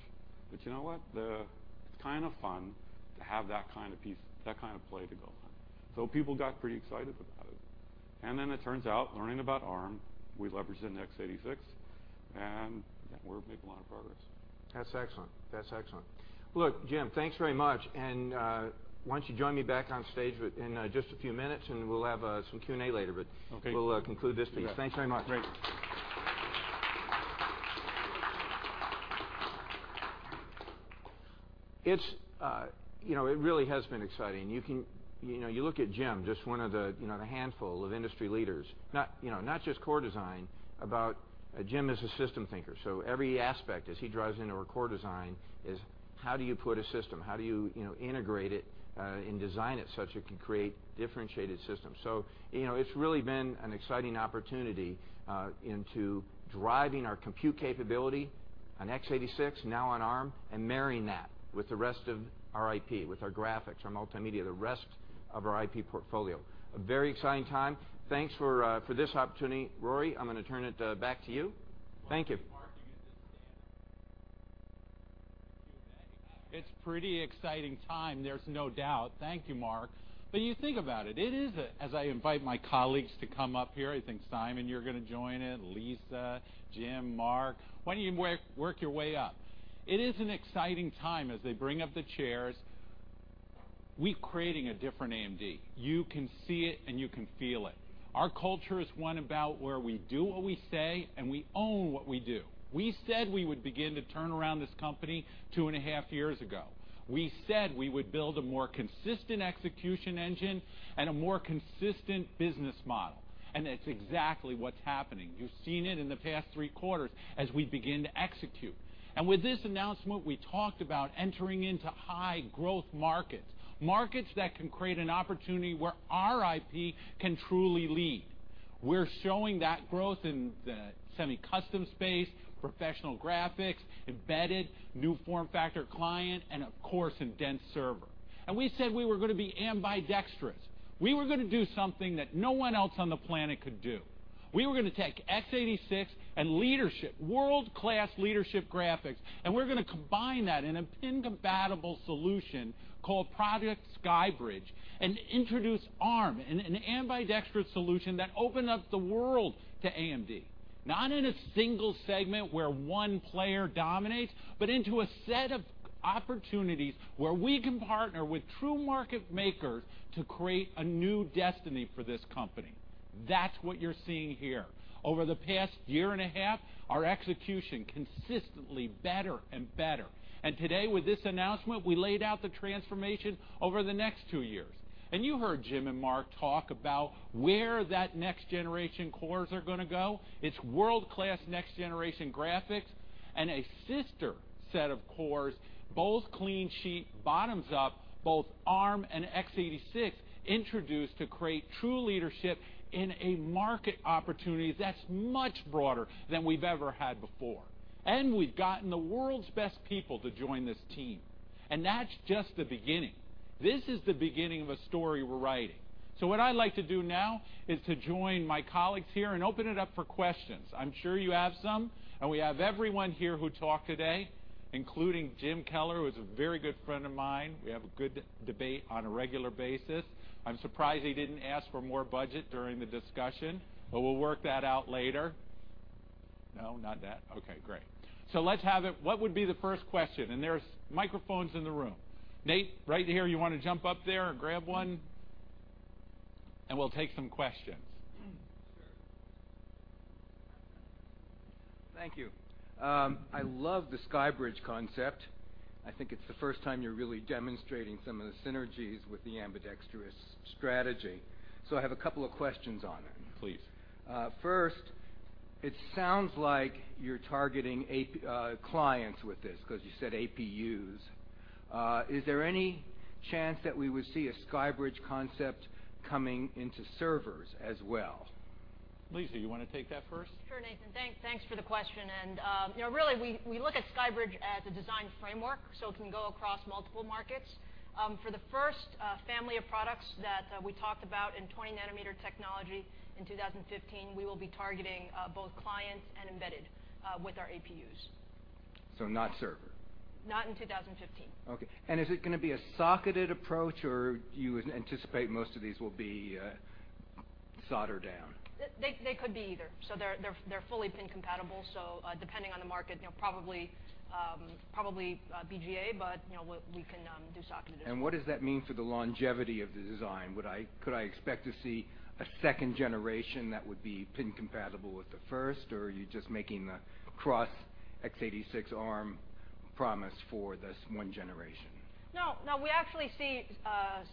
You know what? It's kind of fun to have that kind of play to go on. People got pretty excited about it. Then it turns out, learning about Arm, we leverage it in x86, and we're making a lot of progress. That's excellent. Look, Jim, thanks very much. Why don't you join me back on stage in just a few minutes, we'll have some Q&A later. Okay we'll conclude this piece. You bet. Thanks very much. Great. It really has been exciting. You look at Jim, just one of the handful of industry leaders, not just core design, but Jim is a system thinker. Every aspect as he drives into a core design is, how do you put a system? How do you integrate it and design it such it can create differentiated systems? It's really been an exciting opportunity into driving our compute capability on x86, now on Arm, and marrying that with the rest of our IP, with our graphics, our multimedia, the rest of our IP portfolio. A very exciting time. Thanks for this opportunity. Rory, I'm going to turn it back to you. Thank you. Thank you, Mark. You get to stand. Q&A. It's pretty exciting time, there's no doubt. Thank you, Mark. You think about it. It is, as I invite my colleagues to come up here, I think, Simon, you're going to join in, Lisa, Jim, Mark. Why don't you work your way up? It is an exciting time as they bring up the chairs. We're creating a different AMD. You can see it, and you can feel it. Our culture is one where we do what we say, and we own what we do. We said we would begin to turn around this company two and a half years ago. We said we would build a more consistent execution engine and a more consistent business model. That's exactly what's happening. You've seen it in the past three quarters as we begin to execute. With this announcement, we talked about entering into high-growth markets that can create an opportunity where our IP can truly lead. We're showing that growth in the semi-custom space, professional graphics, embedded, new form factor client, and of course, in dense server. We said we were going to be ambidextrous. We were going to do something that no one else on the planet could do. We were going to take x86 and leadership, world-class leadership graphics, and we're going to combine that in a pin-compatible solution called Project SkyBridge and introduce Arm in an ambidextrous solution that opened up the world to AMD. Not in a single segment where one player dominates, but into a set of opportunities where we can partner with true market makers to create a new destiny for this company. That's what you're seeing here. Over the past year and a half, our execution consistently better and better. Today with this announcement, we laid out the transformation over the next two years. You heard Jim and Mark talk about where that next-generation cores are going to go. It's world-class next-generation graphics and a sister set of cores, both clean sheet, bottoms up, both Arm and x86, introduced to create true leadership in a market opportunity that's much broader than we've ever had before. We've gotten the world's best people to join this team, and that's just the beginning. This is the beginning of a story we're writing. What I'd like to do now is to join my colleagues here and open it up for questions. I'm sure you have some. We have everyone here who talked today, including Jim Keller, who's a very good friend of mine. We have a good debate on a regular basis. I'm surprised he didn't ask for more budget during the discussion. We'll work that out later. No, not that? Okay, great. Let's have it. What would be the first question? There's microphones in the room. Nate, right here, you want to jump up there and grab one? We'll take some questions. Sure. Thank you. I love the SkyBridge concept. I think it's the first time you're really demonstrating some of the synergies with the ambidextrous strategy. I have a couple of questions on it. Please. First, it sounds like you're targeting clients with this because you said APUs. Is there any chance that we would see a SkyBridge concept coming into servers as well? Lisa, you want to take that first? Sure, Nathan. Thanks for the question. Really, we look at SkyBridge as a design framework, so it can go across multiple markets. For the first family of products that we talked about in 20 nm technology in 2015, we will be targeting both clients and embedded with our APUs. not server? Not in 2015. Okay. Is it going to be a socketed approach, or do you anticipate most of these will be soldered down? They could be either. They're fully pin-compatible. Depending on the market, probably BGA, but we can do socketed as well. What does that mean for the longevity of the design? Could I expect to see a second generation that would be pin-compatible with the first, or are you just making the cross x86 Arm promise for this one generation? No, we actually see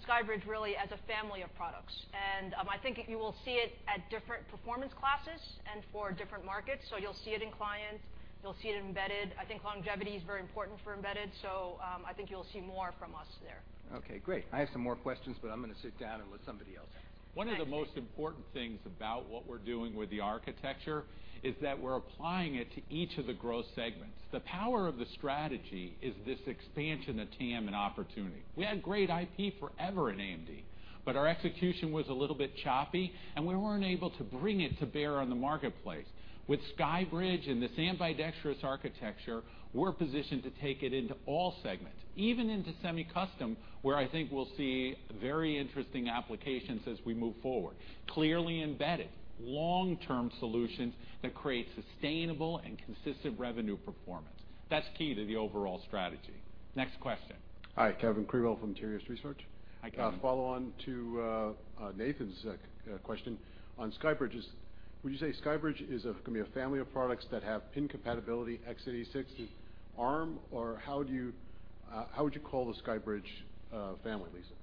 SkyBridge really as a family of products. I think you will see it at different performance classes and for different markets. You'll see it in clients, you'll see it in embedded. I think longevity is very important for embedded, so I think you'll see more from us there. Okay, great. I have some more questions, but I'm going to sit down and let somebody else ask. One of the most important things about what we're doing with the architecture is that we're applying it to each of the growth segments. The power of the strategy is this expansion of TAM and opportunity. We had great IP forever in AMD, but our execution was a little bit choppy, and we weren't able to bring it to bear on the marketplace. With SkyBridge and this ambidextrous architecture, we're positioned to take it into all segments, even into semi-custom, where I think we'll see very interesting applications as we move forward. Clearly embedded, long-term solutions that create sustainable and consistent revenue performance. That's key to the overall strategy. Next question. Hi, Kevin Krewell from Tirias Research. Hi, Kevin. Follow on to Nathan's question on SkyBridge. Would you say SkyBridge is going to be a family of products that have pin compatibility x86 with Arm, or how would you call the SkyBridge family, Lisa?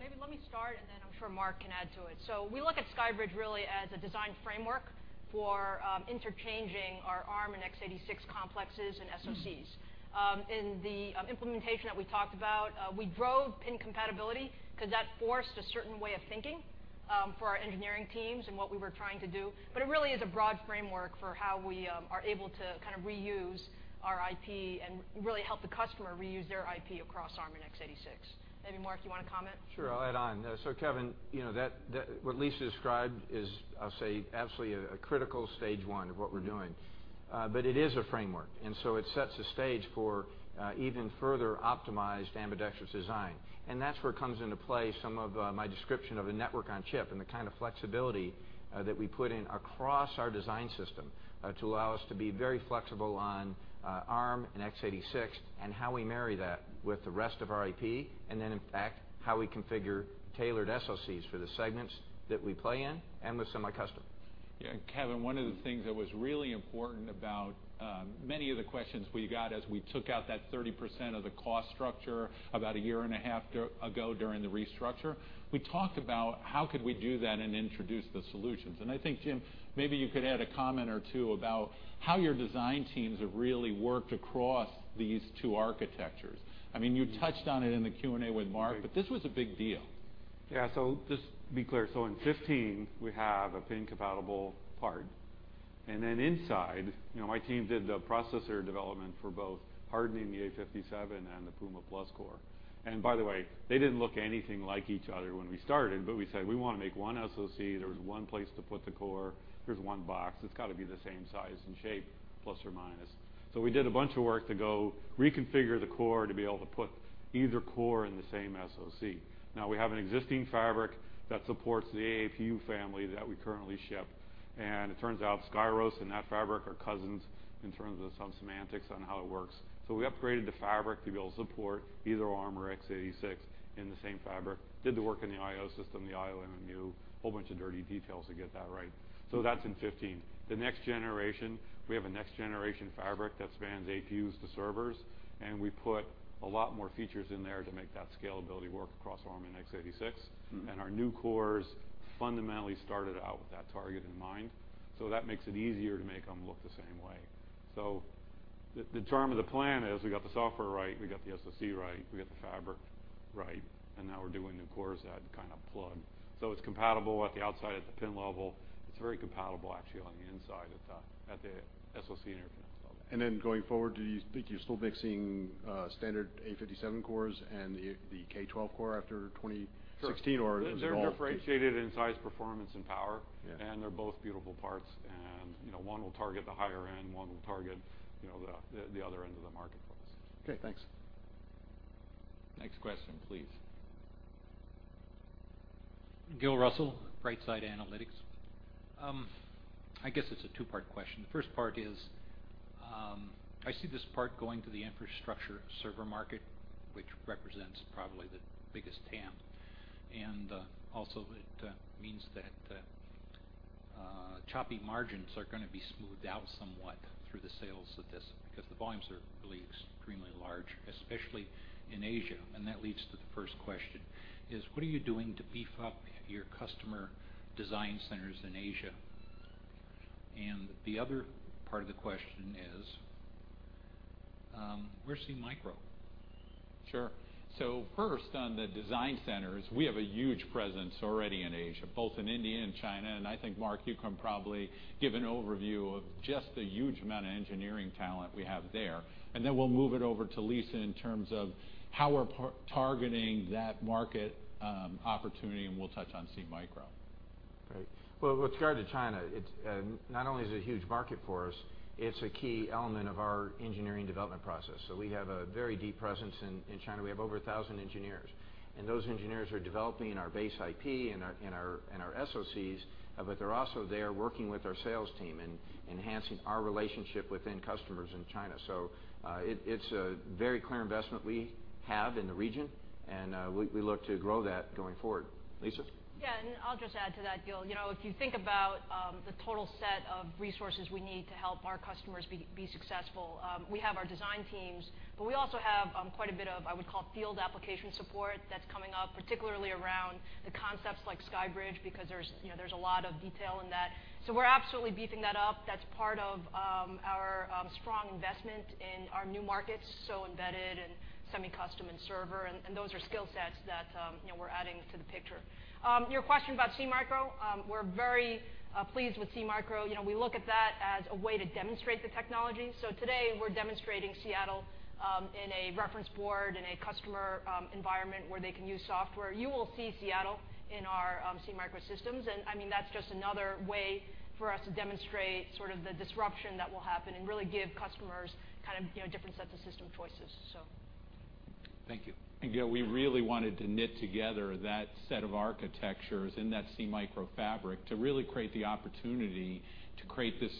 Maybe let me start, and then I'm sure Mark can add to it. We look at SkyBridge really as a design framework for interchanging our Arm and x86 complexes and SoCs. In the implementation that we talked about, we drove pin compatibility because that forced a certain way of thinking for our engineering teams and what we were trying to do. It really is a broad framework for how we are able to reuse our IP and really help the customer reuse their IP across Arm and x86. Maybe, Mark, you want to comment? Sure, I'll add on. Kevin, what Lisa described is, I'll say, absolutely a critical stage 1 of what we're doing. It is a framework, it sets the stage for even further optimized ambidextrous design. That's where it comes into play some of my description of a network on chip and the kind of flexibility that we put in across our design system to allow us to be very flexible on Arm and x86 and how we marry that with the rest of our IP. In fact, how we configure tailored SoCs for the segments that we play in and with semi-custom. Yeah. Kevin, one of the things that was really important about many of the questions we got as we took out that 30% of the cost structure about a year and a half ago during the restructure, we talked about how could we do that and introduce the solutions. I think, Jim, maybe you could add a comment or two about how your design teams have really worked across these two architectures. You touched on it in the Q&A with Mark, this was a big deal. Yeah. Just to be clear, in 2015, we have a pin-compatible part. Inside, my team did the processor development for both hardening the Cortex-A57 and the Puma+ core. They didn't look anything like each other when we started, we said, "We want to make one SoC. There's one place to put the core. There's one box. It's got to be the same size and shape, plus or minus." We did a bunch of work to go reconfigure the core to be able to put either core in the same SoC. Now we have an existing fabric that supports the APU family that we currently ship. It turns out SkyBridge and that fabric are cousins in terms of some semantics on how it works. We upgraded the fabric to be able to support either Arm or x86 in the same fabric. Did the work in the I/O system, the IOMMU, whole bunch of dirty details to get that right. That's in 2015. The next generation, we have a next-generation fabric that spans APUs to servers, and we put a lot more features in there to make that scalability work across Arm and x86. Our new cores fundamentally started out with that target in mind. That makes it easier to make them look the same way. The term of the plan is we got the software right, we got the SoC right, we got the fabric right, and now we're doing new cores that kind of plug. It's compatible at the outside at the pin level. It's very compatible, actually, on the inside at the SoC interconnect level. Going forward, do you think you're still mixing standard Cortex-A57 cores and the K12 core after 2016, or they're all? Sure. They're differentiated in size, performance, and power. Yeah. They're both beautiful parts, and one will target the higher end, one will target the other end of the market for us. Okay, thanks. Next question, please. Gil Russell, Bright Side Analytics. I guess it's a two-part question. The first part is, I see this part going to the infrastructure server market, which represents probably the biggest TAM. Also it means that choppy margins are going to be smoothed out somewhat through the sales of this, because the volumes are really extremely large, especially in Asia. That leads to the first question, is what are you doing to beef up your customer design centers in Asia? The other part of the question is, where's SeaMicro? Sure. First, on the design centers, we have a huge presence already in Asia, both in India and China. I think, Mark, you can probably give an overview of just the huge amount of engineering talent we have there, and then we'll move it over to Lisa in terms of how we're targeting that market opportunity, and we'll touch on SeaMicro. Great. Well, with regard to China, not only is it a huge market for us, it's a key element of our engineering development process. We have a very deep presence in China. We have over 1,000 engineers, and those engineers are developing our base IP and our SoCs, but they're also there working with our sales team and enhancing our relationship within customers in China. It's a very clear investment we have in the region, and we look to grow that going forward. Lisa? Yeah, I'll just add to that, Gil. If you think about the total set of resources we need to help our customers be successful, we have our design teams, but we also have quite a bit of, I would call, field application support that's coming up, particularly around the concepts like SkyBridge, because there's a lot of detail in that. We're absolutely beefing that up. That's part of our strong investment in our new markets, so embedded and semi-custom and server, and those are skill sets that we're adding to the picture. Your question about SeaMicro, we're very pleased with SeaMicro. We look at that as a way to demonstrate the technology. Today, we're demonstrating Seattle in a reference board, in a customer environment where they can use software. You will see Seattle in our SeaMicro systems, that's just another way for us to demonstrate sort of the disruption that will happen and really give customers different sets of system choices. Thank you. Gil, we really wanted to knit together that set of architectures in that SeaMicro fabric to really create the opportunity to create this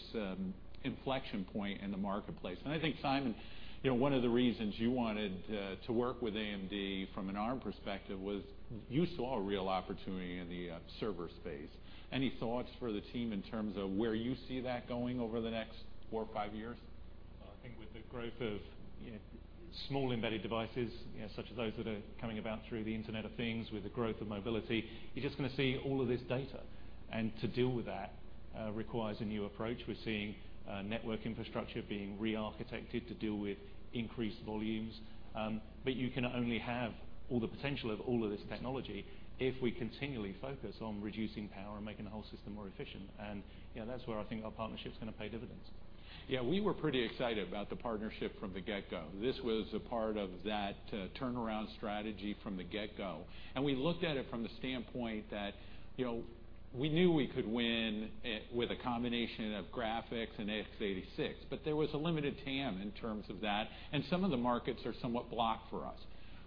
inflection point in the marketplace. I think, Simon, one of the reasons you wanted to work with AMD from an Arm perspective was you saw a real opportunity in the server space. Any thoughts for the team in terms of where you see that going over the next four or five years? I think with the growth of small embedded devices, such as those that are coming about through the Internet of Things, with the growth of mobility, you're just going to see all of this data. To deal with that requires a new approach. We're seeing network infrastructure being re-architected to deal with increased volumes. You can only have all the potential of all of this technology if we continually focus on reducing power and making the whole system more efficient. That's where I think our partnership's going to pay dividends. Yeah, we were pretty excited about the partnership from the get-go. This was a part of that turnaround strategy from the get-go, and we looked at it from the standpoint that we knew we could win with a combination of graphics and x86, but there was a limited TAM in terms of that, and some of the markets are somewhat blocked for us.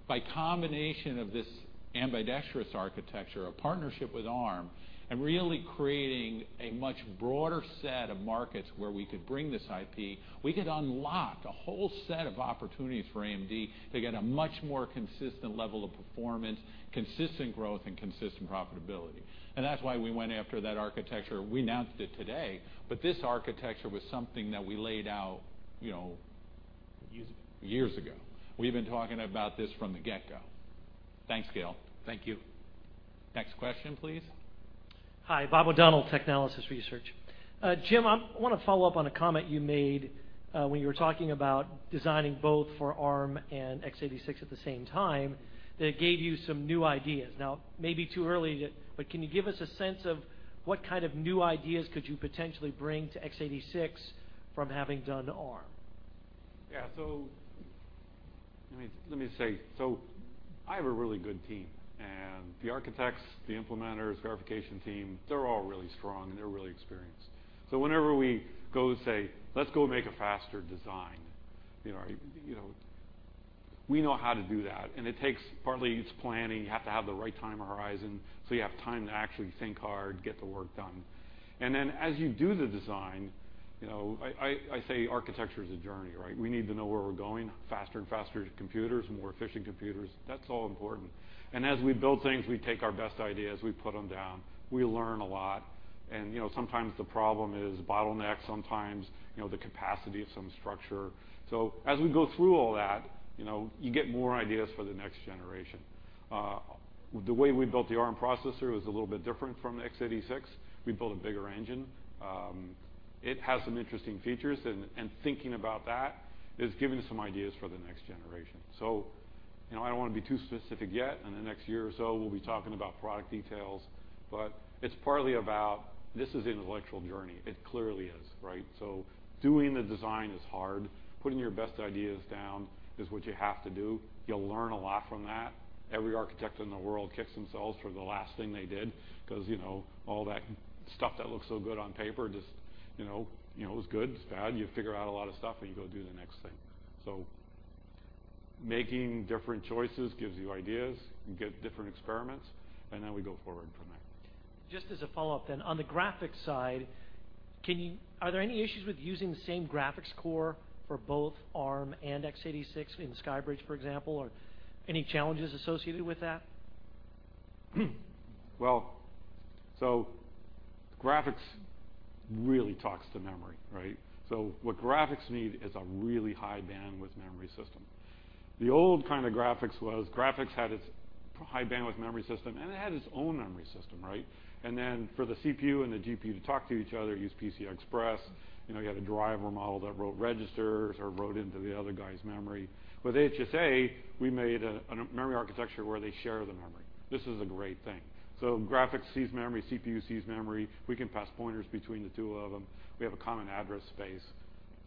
By combination of this ambidextrous architecture, a partnership with Arm, and really creating a much broader set of markets where we could bring this IP, we could unlock a whole set of opportunities for AMD to get a much more consistent level of performance, consistent growth, and consistent profitability. That's why we went after that architecture. We announced it today, but this architecture was something that we laid out- Years ago years ago. We've been talking about this from the get-go. Thanks, Gil. Thank you. Next question, please. Hi. Bob O'Donnell, TECHnalysis Research. Jim, I want to follow up on a comment you made when you were talking about designing both for Arm and x86 at the same time, that it gave you some new ideas. Now, it may be too early, but can you give us a sense of what kind of new ideas could you potentially bring to x86 from having done Arm? Yeah. Let me say, I have a really good team, the architects, the implementers, verification team, they're all really strong, they're really experienced. Whenever we go say, "Let's go make a faster design," we know how to do that, partly it's planning. You have to have the right time horizon, so you have time to actually think hard, get the work done. As you do the design, I say architecture is a journey, right? We need to know where we're going, faster and faster computers, more efficient computers. That's all important. As we build things, we take our best ideas, we put them down. We learn a lot. Sometimes the problem is bottlenecks, sometimes the capacity of some structure. As we go through all that, you get more ideas for the next generation. The way we built the Arm processor was a little bit different from x86. We built a bigger engine. It has some interesting features, thinking about that has given us some ideas for the next generation. I don't want to be too specific yet. In the next year or so, we'll be talking about product details, it's partly about this is an intellectual journey. It clearly is, right? Doing the design is hard. Putting your best ideas down is what you have to do. You'll learn a lot from that. Every architect in the world kicks themselves for the last thing they did because all that stuff that looked so good on paper just, it was good, it's bad. You figure out a lot of stuff, you go do the next thing. Making different choices gives you ideas, get different experiments, we go forward from there. Just as a follow-up then, on the graphics side, are there any issues with using the same graphics core for both Arm and x86 in SkyBridge, for example, or any challenges associated with that? Graphics really talks to memory, right? What graphics need is a really high-bandwidth memory system. The old kind of graphics was graphics had its high-bandwidth memory system, and it had its own memory system, right? For the CPU and the GPU to talk to each other, use PCI Express. You had a driver model that wrote registers or wrote into the other guy's memory. With HSA, we made a memory architecture where they share the memory. This is a great thing. Graphics sees memory, CPU sees memory. We can pass pointers between the two of them. We have a common address space.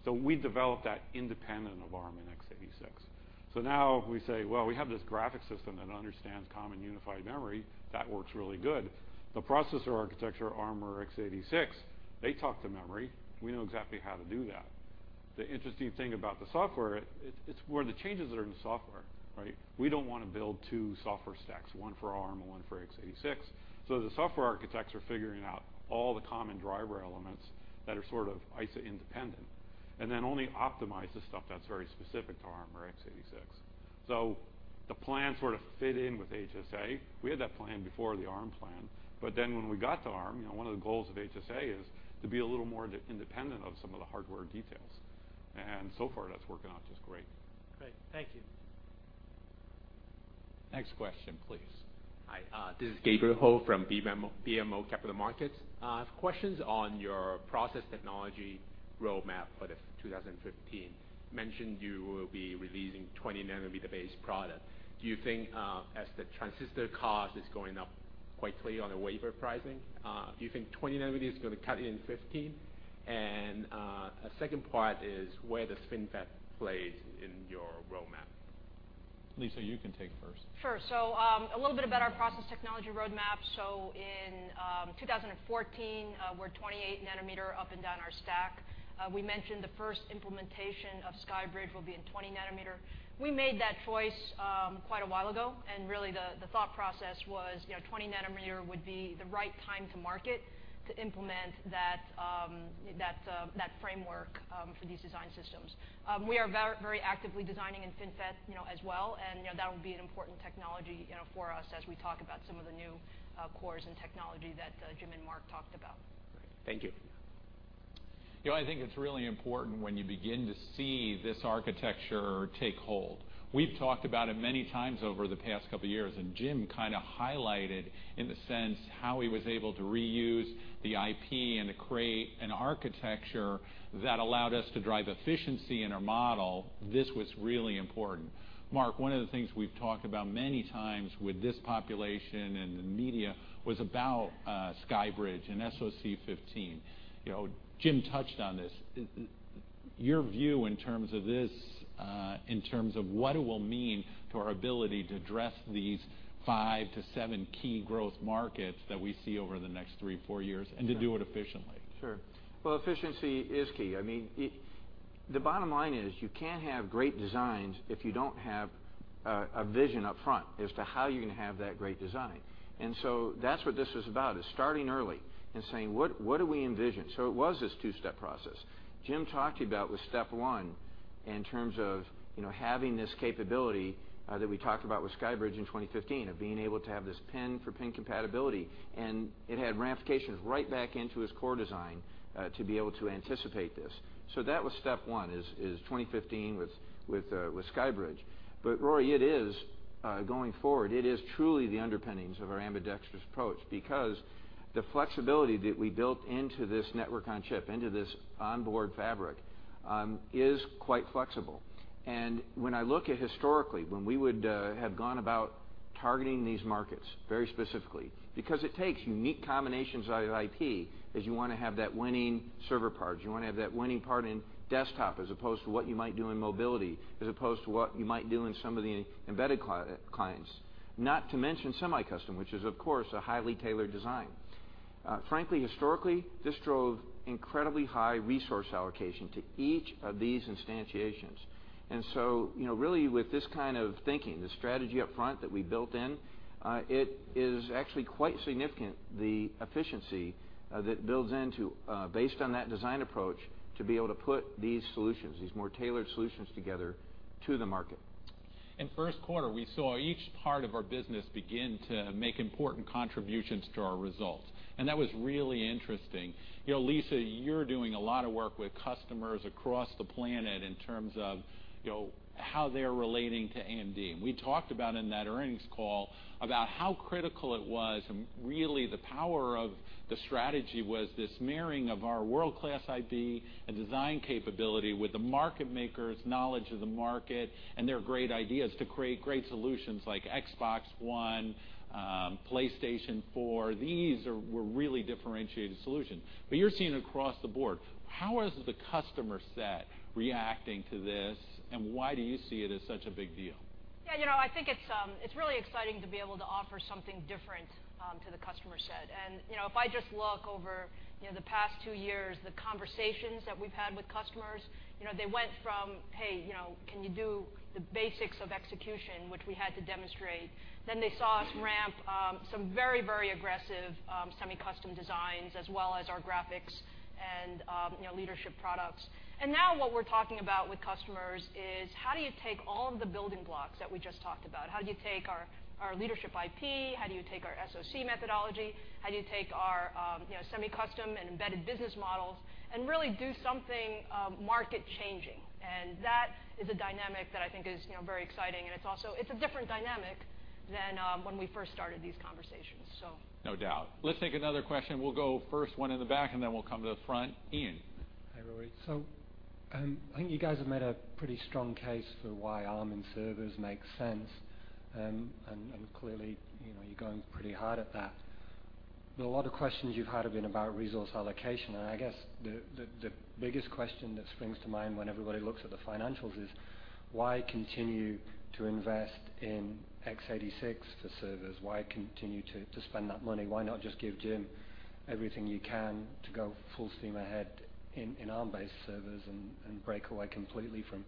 We developed that independent of Arm and x86. We say, well, we have this graphic system that understands common unified memory. That works really good. The processor architecture, Arm or x86, they talk to memory. We know exactly how to do that. The interesting thing about the software, it's where the changes are in the software, right? We don't want to build two software stacks, one for Arm and one for x86. The software architects are figuring out all the common driver elements that are sort of ISA independent, and then only optimize the stuff that's very specific to Arm or x86. The plan sort of fit in with HSA. We had that plan before the Arm plan. When we got to Arm, one of the goals of HSA is to be a little more independent of some of the hardware details. That's working out just great. Great. Thank you. Next question, please. Hi. This is Gabriel Ho from BMO Capital Markets. I have questions on your process technology roadmap for 2015. Mentioned you will be releasing 20-nm-based product. Do you think, as the transistor cost is going up quickly on a wafer pricing, do you think 20 nm is going to cut in 2015? Second part is where does FinFET plays in your roadmap? Lisa, you can take first. Sure. A little bit about our process technology roadmap. In 2014, we're 28 nm up and down our stack. We mentioned the first implementation of SkyBridge will be in 20 nm. We made that choice quite a while ago, and really the thought process was 20 nm would be the right time to market to implement that framework for these design systems. We are very actively designing in FinFET as well, and that'll be an important technology for us as we talk about some of the new cores and technology that Jim and Mark talked about. Great. Thank you. I think it's really important when you begin to see this architecture take hold. We've talked about it many times over the past couple of years, Jim kind of highlighted in the sense how he was able to reuse the IP and to create an architecture that allowed us to drive efficiency in our model. This was really important. Mark, one of the things we've talked about many times with this population and the media was about SkyBridge and SoC '15. Jim touched on this. Your view in terms of this, in terms of what it will mean to our ability to address these 5 to 7 key growth markets that we see over the next 3, 4 years, and to do it efficiently. Sure. Well, efficiency is key. The bottom line is you can't have great designs if you don't have a vision up front as to how you're going to have that great design. That's what this was about, is starting early and saying, "What do we envision?" So it was this two-step process. Jim talked to you about with step one in terms of having this capability that we talked about with SkyBridge in 2015, of being able to have this pin for pin compatibility, and it had ramifications right back into his core design, to be able to anticipate this. So that was step one, is 2015 with SkyBridge. Rory, going forward, it is truly the underpinnings of our ambidextrous approach because the flexibility that we built into this network on chip, into this onboard fabric, is quite flexible. When I look at historically, when we would have gone about targeting these markets very specifically, because it takes unique combinations of IP, as you want to have that winning server part, you want to have that winning part in desktop as opposed to what you might do in mobility, as opposed to what you might do in some of the embedded clients. Not to mention semi-custom, which is, of course, a highly tailored design. Frankly, historically, this drove incredibly high resource allocation to each of these instantiations. Really with this kind of thinking, the strategy up front that we built in, it is actually quite significant the efficiency that builds into, based on that design approach, to be able to put these solutions, these more tailored solutions together to the market. In first quarter, we saw each part of our business begin to make important contributions to our results, and that was really interesting. Lisa, you're doing a lot of work with customers across the planet in terms of how they're relating to AMD. We talked about in that earnings call about how critical it was and really the power of the strategy was this marrying of our world-class IP and design capability with the market makers, knowledge of the market, and their great ideas to create great solutions like Xbox One, PlayStation 4. These were really differentiated solutions. You're seeing it across the board. How is the customer set reacting to this, and why do you see it as such a big deal? Yeah, I think it's really exciting to be able to offer something different to the customer set. If I just look over the past two years, the conversations that we've had with customers, they went from, "Hey, can you do the basics of execution?" Which we had to demonstrate. They saw us ramp some very aggressive semi-custom designs, as well as our graphics and leadership products. Now what we're talking about with customers is how do you take all of the building blocks that we just talked about? How do you take our leadership IP? How do you take our SoC methodology? How do you take our semi-custom and embedded business models and really do something market-changing? That is a dynamic that I think is very exciting, and it's a different dynamic than when we first started these conversations. No doubt. Let's take another question. We'll go first one in the back, and then we'll come to the front. Ian. Hi, Rory. I think you guys have made a pretty strong case for why Arm and servers make sense, and clearly, you're going pretty hard at that. A lot of questions you've had have been about resource allocation, and I guess the biggest question that springs to mind when everybody looks at the financials is why continue to invest in x86 to servers? Why continue to spend that money? Why not just give Jim everything you can to go full steam ahead in Arm-based servers and break away completely from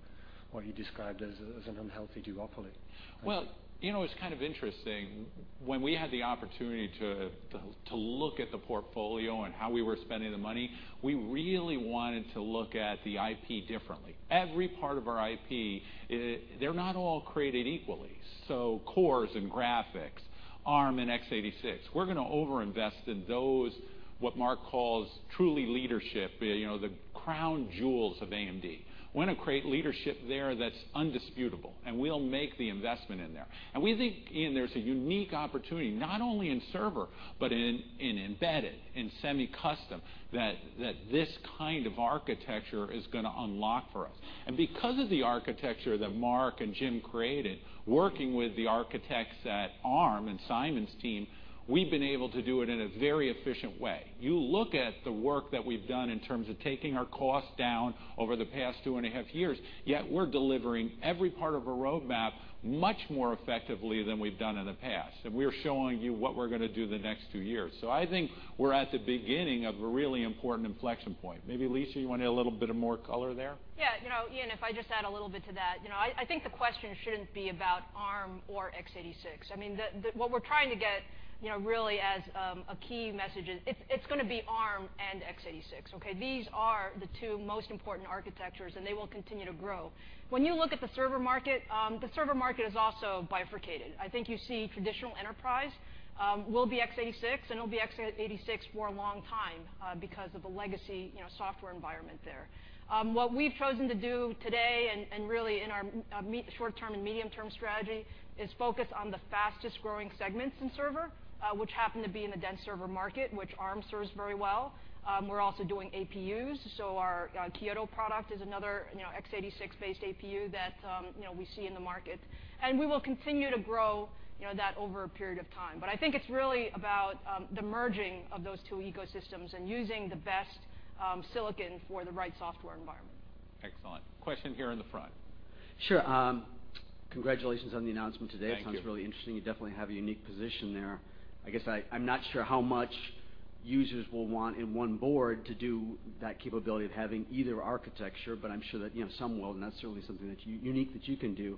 what you described as an unhealthy duopoly? Well, it's kind of interesting. When we had the opportunity to look at the portfolio and how we were spending the money, we really wanted to look at the IP differently. Every part of our IP, they're not all created equally. Cores and graphics, Arm and x86, we're going to over-invest in those, what Mark calls truly leadership, the crown jewels of AMD. We want to create leadership there that's undisputable, and we'll make the investment in there. We think, Ian, there's a unique opportunity not only in server, but in embedded, in semi-custom, that this kind of architecture is going to unlock for us. Because of the architecture that Mark and Jim created, working with the architects at Arm and Simon's team, we've been able to do it in a very efficient way. You look at the work that we've done in terms of taking our cost down over the past two and a half years, yet we're delivering every part of a roadmap much more effectively than we've done in the past. We're showing you what we're going to do the next two years. I think we're at the beginning of a really important inflection point. Maybe, Lisa, you want to add a little bit of more color there? Yeah. Ian, if I just add a little bit to that, I think the question shouldn't be about Arm or x86. What we're trying to get really as a key message is it's going to be Arm and x86, okay? These are the two most important architectures. They will continue to grow. When you look at the server market, the server market is also bifurcated. I think you see traditional enterprise will be x86. It'll be x86 for a long time because of the legacy software environment there. What we've chosen to do today, and really in our short-term and medium-term strategy, is focus on the fastest-growing segments in server, which happen to be in the dense server market, which Arm serves very well. We're also doing APUs, so our Kyoto product is another x86-based APU that we see in the market. We will continue to grow that over a period of time. I think it's really about the merging of those two ecosystems and using the best silicon for the right software environment. Excellent. Question here in the front. Sure. Congratulations on the announcement today. Thank you. It sounds really interesting. You definitely have a unique position there. I guess I'm not sure how much users will want in one board to do that capability of having either architecture, but I'm sure that some will, and that's certainly something that's unique that you can do.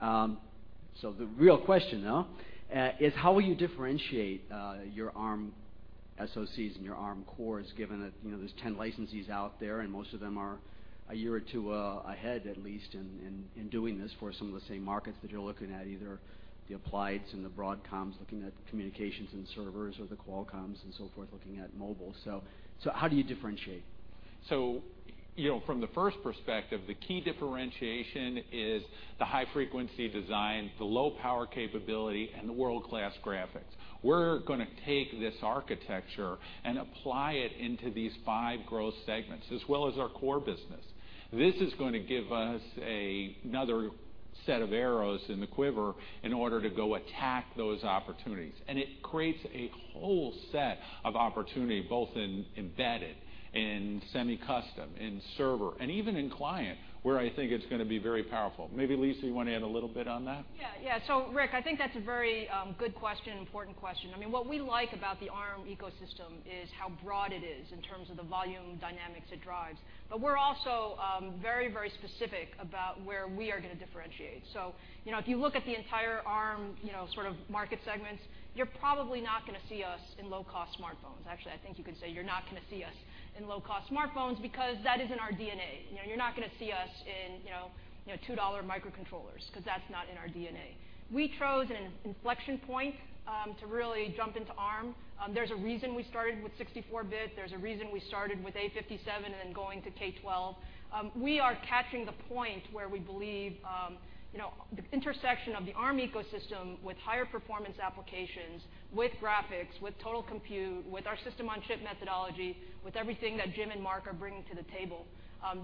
The real question, though, is how will you differentiate your Arm SoCs and your Arm cores, given that there's 10 licensees out there, and most of them are a year or two ahead at least in doing this for some of the same markets that you're looking at, either the Applied and the Broadcoms looking at communications and servers or the Qualcomms and so forth looking at mobile. How do you differentiate? From the first perspective, the key differentiation is the high-frequency design, the low-power capability, and the world-class graphics. We're going to take this architecture and apply it into these five growth segments, as well as our core business. This is going to give us another set of arrows in the quiver in order to go attack those opportunities. It creates a whole set of opportunity, both in embedded, in semi-custom, in server, and even in client, where I think it's going to be very powerful. Maybe, Lisa, you want to add a little bit on that? Yeah. Rick, I think that's a very good question, important question. What we like about the Arm ecosystem is how broad it is in terms of the volume dynamics it drives. We're also very specific about where we are going to differentiate. If you look at the entire Arm sort of market segments, you're probably not going to see us in low-cost smartphones. Actually, I think you could say you're not going to see us in low-cost smartphones because that is in our DNA. You're not going to see us in $2 microcontrollers because that's not in our DNA. We chose an inflection point to really jump into Arm. There's a reason we started with 64-bit. There's a reason we started with Cortex-A57 and then going to K12. We are catching the point where we believe the intersection of the Arm ecosystem with higher performance applications, with graphics, with total compute, with our system-on-chip methodology, with everything that Jim and Mark are bringing to the table.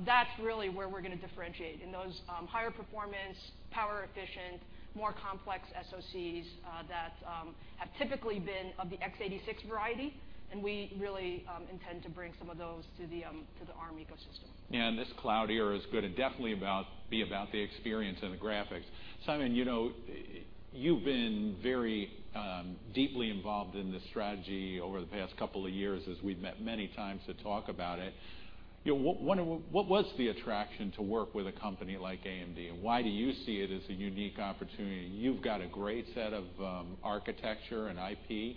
That's really where we're going to differentiate, in those higher performance, power efficient, more complex SoCs that have typically been of the x86 variety, and we really intend to bring some of those to the Arm ecosystem. This cloud era is going to definitely be about the experience and the graphics. Simon, you've been very deeply involved in this strategy over the past couple of years, as we've met many times to talk about it. What was the attraction to work with a company like AMD, and why do you see it as a unique opportunity? You've got a great set of architecture and IP,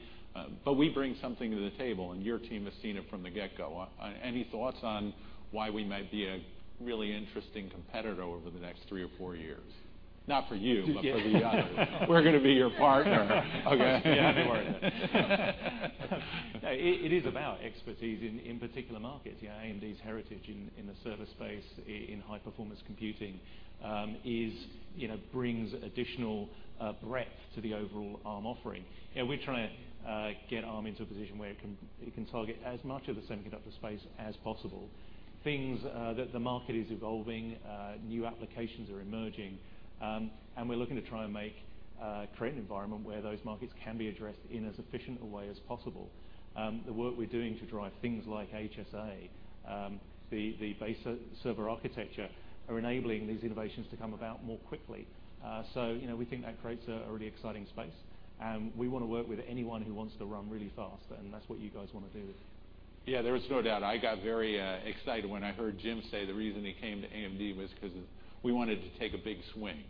but we bring something to the table, and your team has seen it from the get-go. Any thoughts on why we might be a really interesting competitor over the next three or four years? Not for you, but for the others. We're going to be your partner. Yeah. It is about expertise in particular markets. AMD's heritage in the server space, in high-performance computing, brings additional breadth to the overall Arm offering. We're trying to get Arm into a position where it can target as much of the semiconductor space as possible. Things that the market is evolving, new applications are emerging, and we're looking to try and create an environment where those markets can be addressed in as efficient a way as possible. The work we're doing to drive things like HSA, the base server architecture, are enabling these innovations to come about more quickly. We think that creates a really exciting space, and we want to work with anyone who wants to run really fast, and that's what you guys want to do. Yeah, there is no doubt. I got very excited when I heard Jim say the reason he came to AMD was because we wanted to take a big swing.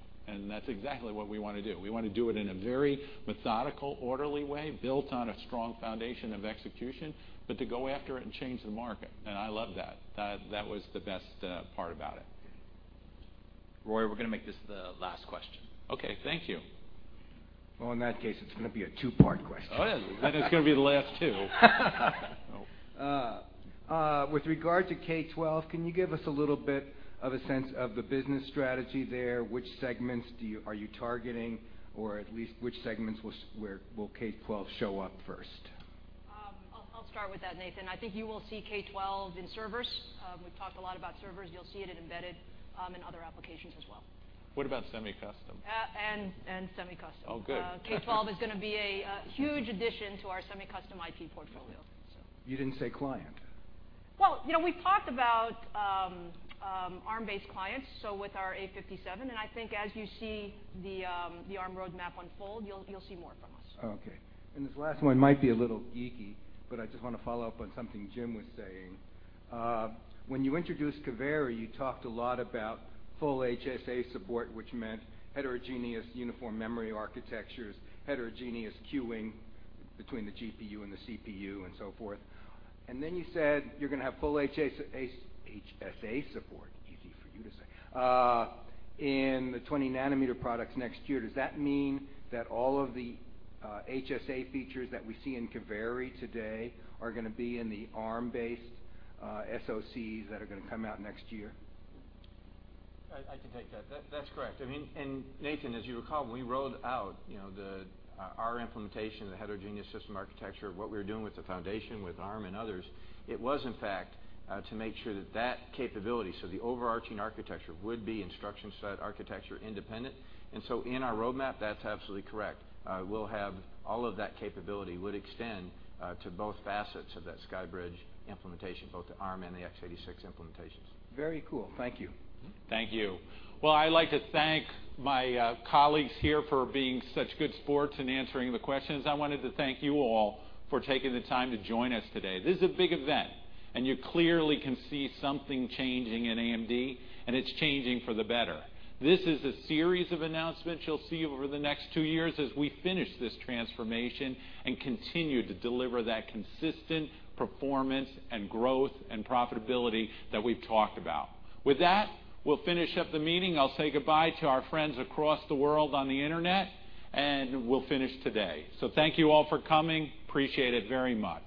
That's exactly what we want to do. We want to do it in a very methodical, orderly way, built on a strong foundation of execution, but to go after it and change the market. I love that. That was the best part about it. Rory, we're going to make this the last question. Okay. Thank you. Well, in that case, it's going to be a two-part question. Oh, yeah. It's going to be the last two. With regard to K12, can you give us a little bit of a sense of the business strategy there? Which segments are you targeting, or at least which segments will K12 show up first? I'll start with that, Nathan. I think you will see K12 in servers. We've talked a lot about servers. You'll see it in embedded and other applications as well. What about semi-custom? semi-custom. Oh, good. K12 is going to be a huge addition to our semi-custom IP portfolio. You didn't say client. Well, we've talked about Arm-based clients, so with our Cortex-A57, and I think as you see the Arm roadmap unfold, you'll see more from us. Okay. This last one might be a little geeky, but I just want to follow up on something Jim was saying. When you introduced Kaveri, you talked a lot about full HSA support, which meant heterogeneous uniform memory architectures, heterogeneous queuing between the GPU and the CPU, and so forth. Then you said you're going to have full HSA support, easy for you to say, in the 20 nm products next year. Does that mean that all of the HSA features that we see in Kaveri today are going to be in the Arm-based SoCs that are going to come out next year? I can take that. That's correct. Nathan, as you recall, when we rolled out our implementation of the Heterogeneous System Architecture, what we were doing with the foundation, with Arm and others, it was in fact to make sure that that capability, so the overarching architecture, would be instruction set architecture independent. So in our roadmap, that's absolutely correct. We'll have all of that capability would extend to both facets of that SkyBridge implementation, both the Arm and the x86 implementations. Very cool. Thank you. Thank you. Well, I'd like to thank my colleagues here for being such good sports and answering the questions. I wanted to thank you all for taking the time to join us today. This is a big event, and you clearly can see something changing at AMD, and it's changing for the better. This is a series of announcements you'll see over the next two years as we finish this transformation and continue to deliver that consistent performance and growth and profitability that we've talked about. With that, we'll finish up the meeting. I'll say goodbye to our friends across the world on the internet, and we'll finish today. Thank you all for coming. Appreciate it very much.